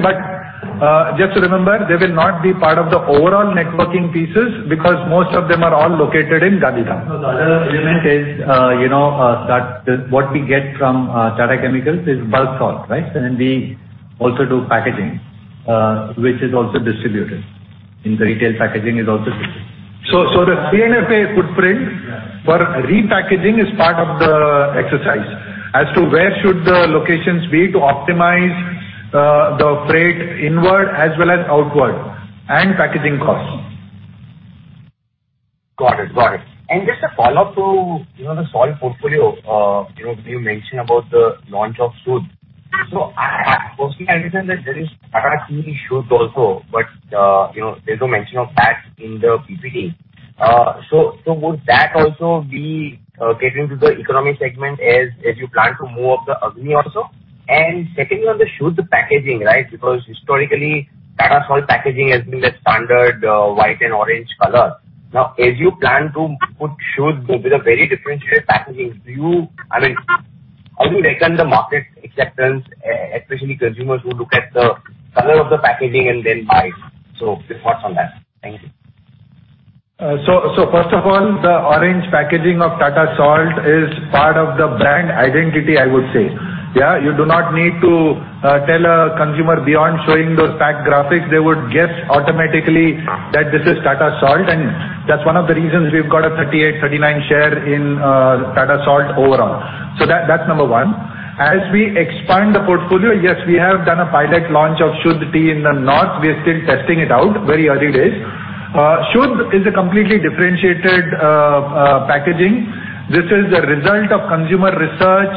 Just remember, they will not be part of the overall networking pieces because most of them are all located in Gandhidham. The other element is, you know, that what we get from Tata Chemicals is bulk salt, right? We also do packaging, which is also distributed, and the retail packaging is also distributed. The PNFA footprint for repackaging is part of the exercise as to where should the locations be to optimize the freight inward as well as outward and packaging costs. Just a follow-up to, you know, the salt portfolio, you know, you mentioned about the launch of Shudh. So I mostly understand that there is Tata Agni Shudh also, but, you know, there's no mention of that in the PPT. So would that also be catering to the economy segment as you plan to move up the Agni also? Secondly, on the Shudh packaging, right? Because historically, Tata Salt packaging has been the standard, white and orange color. Now, as you plan to put Shudh with a very differentiated packaging, do you I mean, how do you reckon the market acceptance, especially consumers who look at the color of the packaging and then buy. Just thoughts on that. Thank you. First of all, the orange packaging of Tata Salt is part of the brand identity, I would say. Yeah. You do not need to tell a consumer. Beyond showing those pack graphics, they would guess automatically that this is Tata Salt, and that's one of the reasons we've got a 38%-39% share in Tata Salt overall. That's number one. As we expand the portfolio, yes, we have done a pilot launch of Shudh tea in the north. We are still testing it out, very early days. Shudh is a completely differentiated packaging. This is a result of consumer research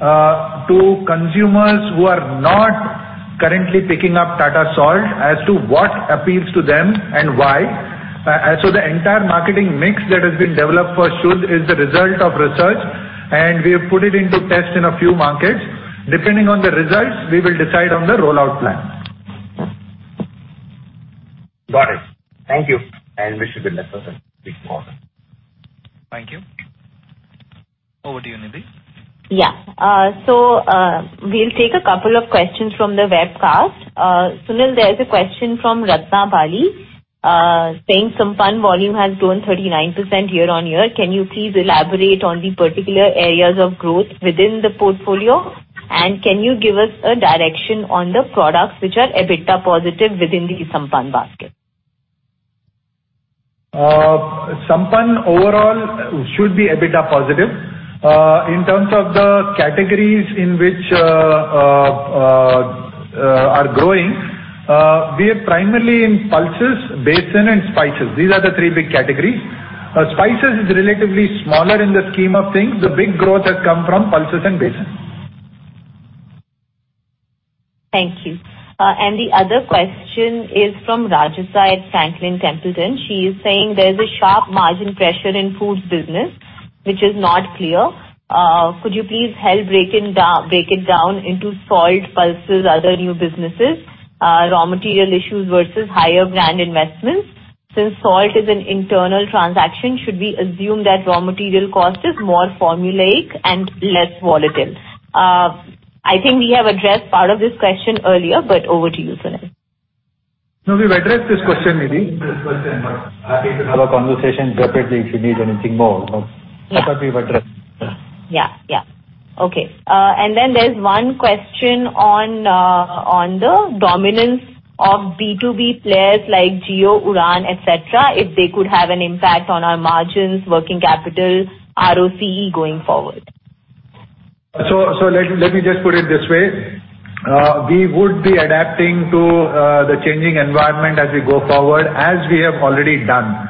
to consumers who are not currently picking up Tata Salt as to what appeals to them and why. The entire marketing mix that has been developed for Shudh is the result of research, and we have put it into test in a few markets. Depending on the results, we will decide on the rollout plan. Got it. Thank you, and wish you good luck with it, moving forward. Thank you. Over to you, Nidhi. We'll take a couple of questions from the webcast. Sunil, there is a question from Ratnabali, saying Sampann volume has grown 39% year-on-year. Can you please elaborate on the particular areas of growth within the portfolio? Can you give us a direction on the products which are EBITDA positive within the Sampann basket? Sampann overall should be EBITDA positive. In terms of the categories in which we are growing, we are primarily in pulses, besan, and spices. These are the three big categories. Spices is relatively smaller in the scheme of things. The big growth has come from pulses and besan. Thank you. The other question is from Rajeshri at Franklin Templeton. She is saying there is a sharp margin pressure in Foods business, which is not clear. Could you please help break it down into salt, pulses, other new businesses, raw material issues versus higher brand investments? Since salt is an internal transaction, should we assume that raw material cost is more formulaic and less volatile? I think we have addressed part of this question earlier, but over to you, Sunil. No, we've addressed this question, Nidhi. This question, but happy to have a conversation separately if you need anything more. Yeah. I thought we've addressed. Yeah. Yeah, yeah. Okay. There's one question on the dominance of B2B players like Jio, Udaan, et cetera, if they could have an impact on our margins, working capital, ROCE going forward. Let me just put it this way. We would be adapting to the changing environment as we go forward, as we have already done.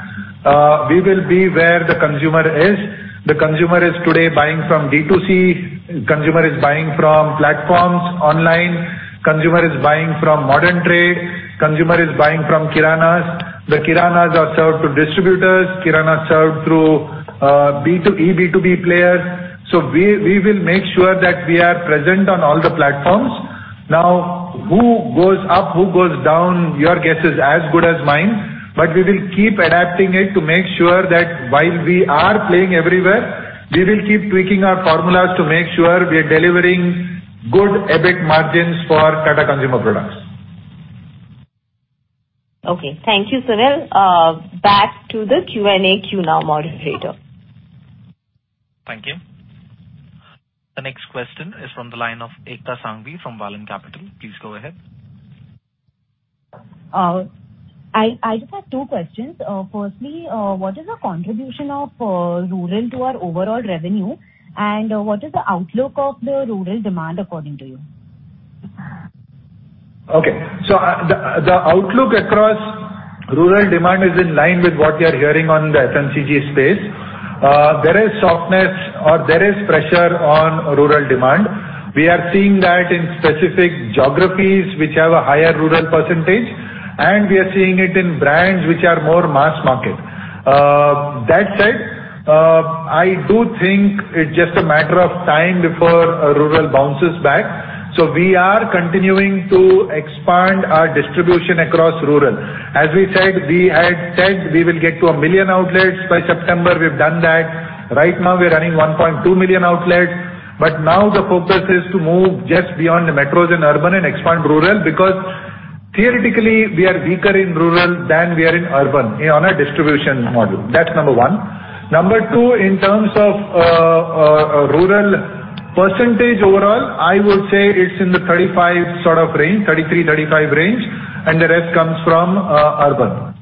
We will be where the consumer is. The consumer is today buying from D2C. Consumer is buying from platforms online. Consumer is buying from modern trade. Consumer is buying from kiranas. The kiranas are served through distributors. Kiranas served through B2B players. We will make sure that we are present on all the platforms. Now, who goes up, who goes down, your guess is as good as mine. We will keep adapting it to make sure that while we are playing everywhere, we will keep tweaking our formulas to make sure we are delivering good EBIT margins for Tata Consumer Products. Okay. Thank you, Sunil. Back to the Q&A queue now, moderator. Thank you. The next question is from the line of Ekta Sanghvi from Vallum Capital, Please go ahead. I just have two questions. First, what is the contribution of rural to our overall revenue, and what is the outlook of the rural demand according to you? Okay. The outlook across rural demand is in line with what we are hearing on the FMCG space. There is softness, or there is pressure on rural demand. We are seeing that in specific geographies which have a higher rural percentage, and we are seeing it in brands which are more mass market. That said, I do think it's just a matter of time before rural bounces back. We are continuing to expand our distribution across rural. As we said, we had said we will get to one million outlets by September. We've done that. Right now we're running 1.2 million outlets, but now the focus is to move just beyond the metros and urban and expand rural because theoretically we are weaker in rural than we are in urban on a distribution model. That's number one. Number two, in terms of rural percentage overall, I would say it's in the 35% sort of range, 33%-35% range, and the rest comes from urban.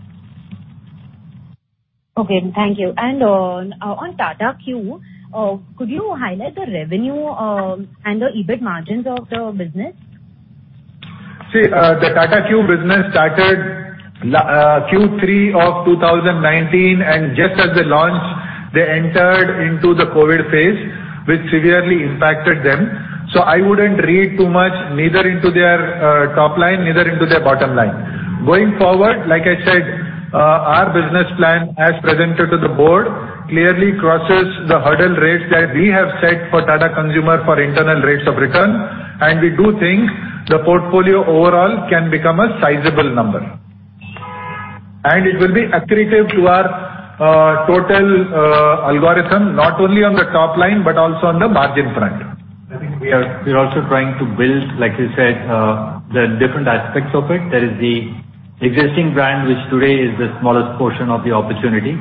Okay, thank you. On Tata Q, could you highlight the revenue, and the EBIT margins of the business? See, the Tata Q business started Q3 of 2019, and just as they launched, they entered into the COVID phase, which severely impacted them. I wouldn't read too much neither into their top line, neither into their bottom line. Going forward, like I said, our business plan as presented to the board clearly crosses the hurdle rates that we have set for Tata Consumer for internal rates of return, and we do think the portfolio overall can become a sizable number. It will be accretive to our total algorithm, not only on the top line but also on the margin front. I think we are also trying to build, like you said, the different aspects of it. There is the existing brand, which today is the smallest portion of the opportunity.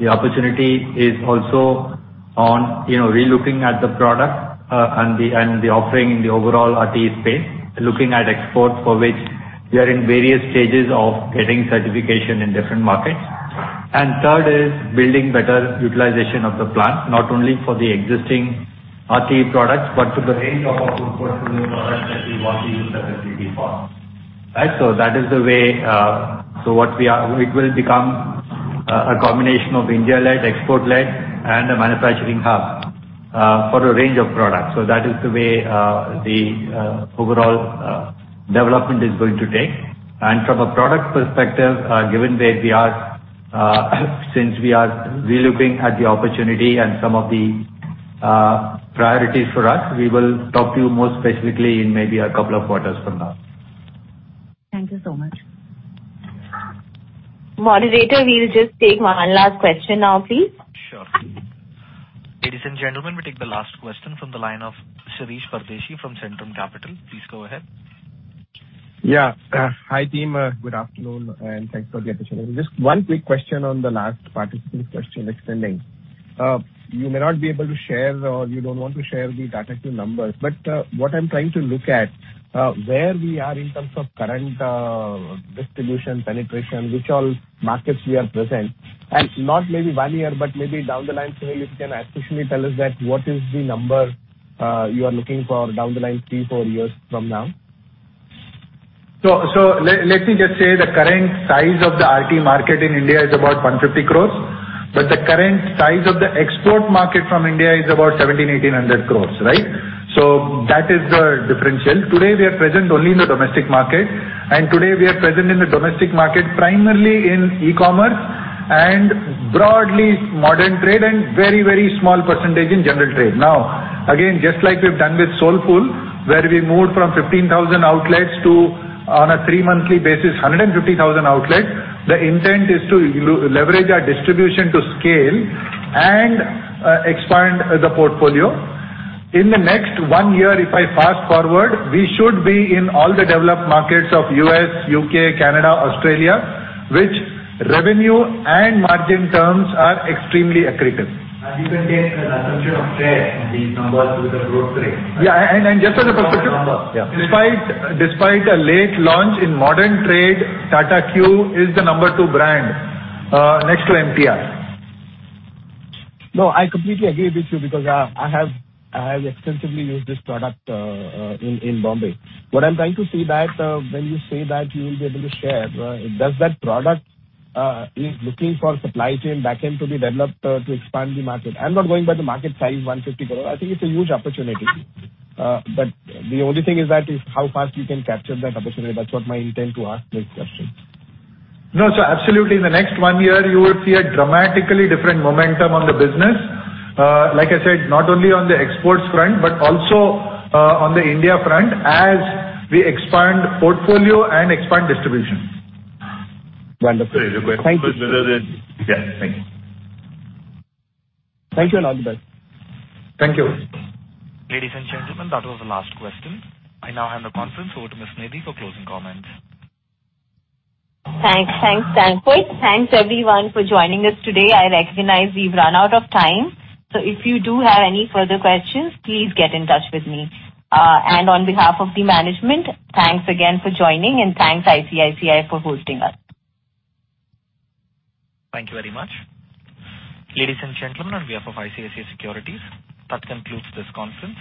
The opportunity is also on, you know, relooking at the product, and the offering in the overall RTE space. Looking at exports, for which we are in various stages of getting certification in different markets. And third is building better utilization of the plant, not only for the existing RTE products but to the range of our food portfolio products that we want to use the capacity for, right? That is the way. It will become a combination of India-led, export-led, and a manufacturing hub for a range of products. That is the way the overall development is going to take. From a product perspective, given where we are, since we are relooking at the opportunity and some of the priorities for us, we will talk to you more specifically in maybe a couple of quarters from now. Thank you so much. Moderator, we'll just take one last question now, please. Sure. Ladies and gentlemen, we'll take the last question from the line of Shirish Pardeshi from Centrum Capital. Please go ahead. Yeah. Hi, team. Good afternoon, and thanks for the opportunity. Just one quick question on the last participant's question extending. You may not be able to share or you don't want to share the Tata Q numbers, but what I'm trying to look at, where we are in terms of current distribution, penetration, which all markets we are present. Not maybe one year, but maybe down the line, say, you can officially tell us that what is the number you are looking for down the line three, four years from now. Let me just say the current size of the RTE market in India is about 150 crore, but the current size of the export market from India is about 1,700-1,800 crore, right? That is the differential. Today, we are present only in the domestic market, and we are present in the domestic market primarily in e-commerce and broadly modern trade and very small percentage in general trade. Now, again, just like we've done with Soulfull, where we moved from 15,000 outlets to, on a three-monthly basis, 150,000 outlets, the intent is to leverage our distribution to scale and expand the portfolio. In the next one year, if I fast-forward, we should be in all the developed markets of U.S., U.K., Canada, Australia, which revenue and margin terms are extremely accretive. You can take an assumption of share from the numbers with the growth rate. Yeah, just as a perspective. From the numbers. Despite a late launch in modern trade, Tata Q is the number two brand next to MTR. No, I completely agree with you because I have extensively used this product in Bombay. What I'm trying to see that when you say that you will be able to share, does that product is looking for supply chain backend to be developed to expand the market? I'm not going by the market size, 150 crore. I think it's a huge opportunity. The only thing is that is how fast you can capture that opportunity. That's what my intent to ask this question. No. Absolutely, in the next one year, you will see a dramatically different momentum on the business. Like I said, not only on the exports front, but also, on the India front as we expand portfolio and expand distribution. Wonderful. Sorry to interrupt. Thank you. But whether the... Yeah. Thanks. Thank you and all the best. Thank you. Ladies and gentlemen, that was the last question. I now hand the conference over to Ms. Nidhi Verma for closing comments. Thanks. Thanks, Sanfoit. Thanks, everyone, for joining us today. I recognize we've run out of time. If you do have any further questions, please get in touch with me. On behalf of the management, thanks again for joining. Thanks, ICICI, for hosting us. Thank you very much. Ladies and gentlemen, on behalf of ICICI Securities, that concludes this conference.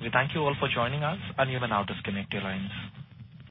We thank you all for joining us, and you may now disconnect your lines.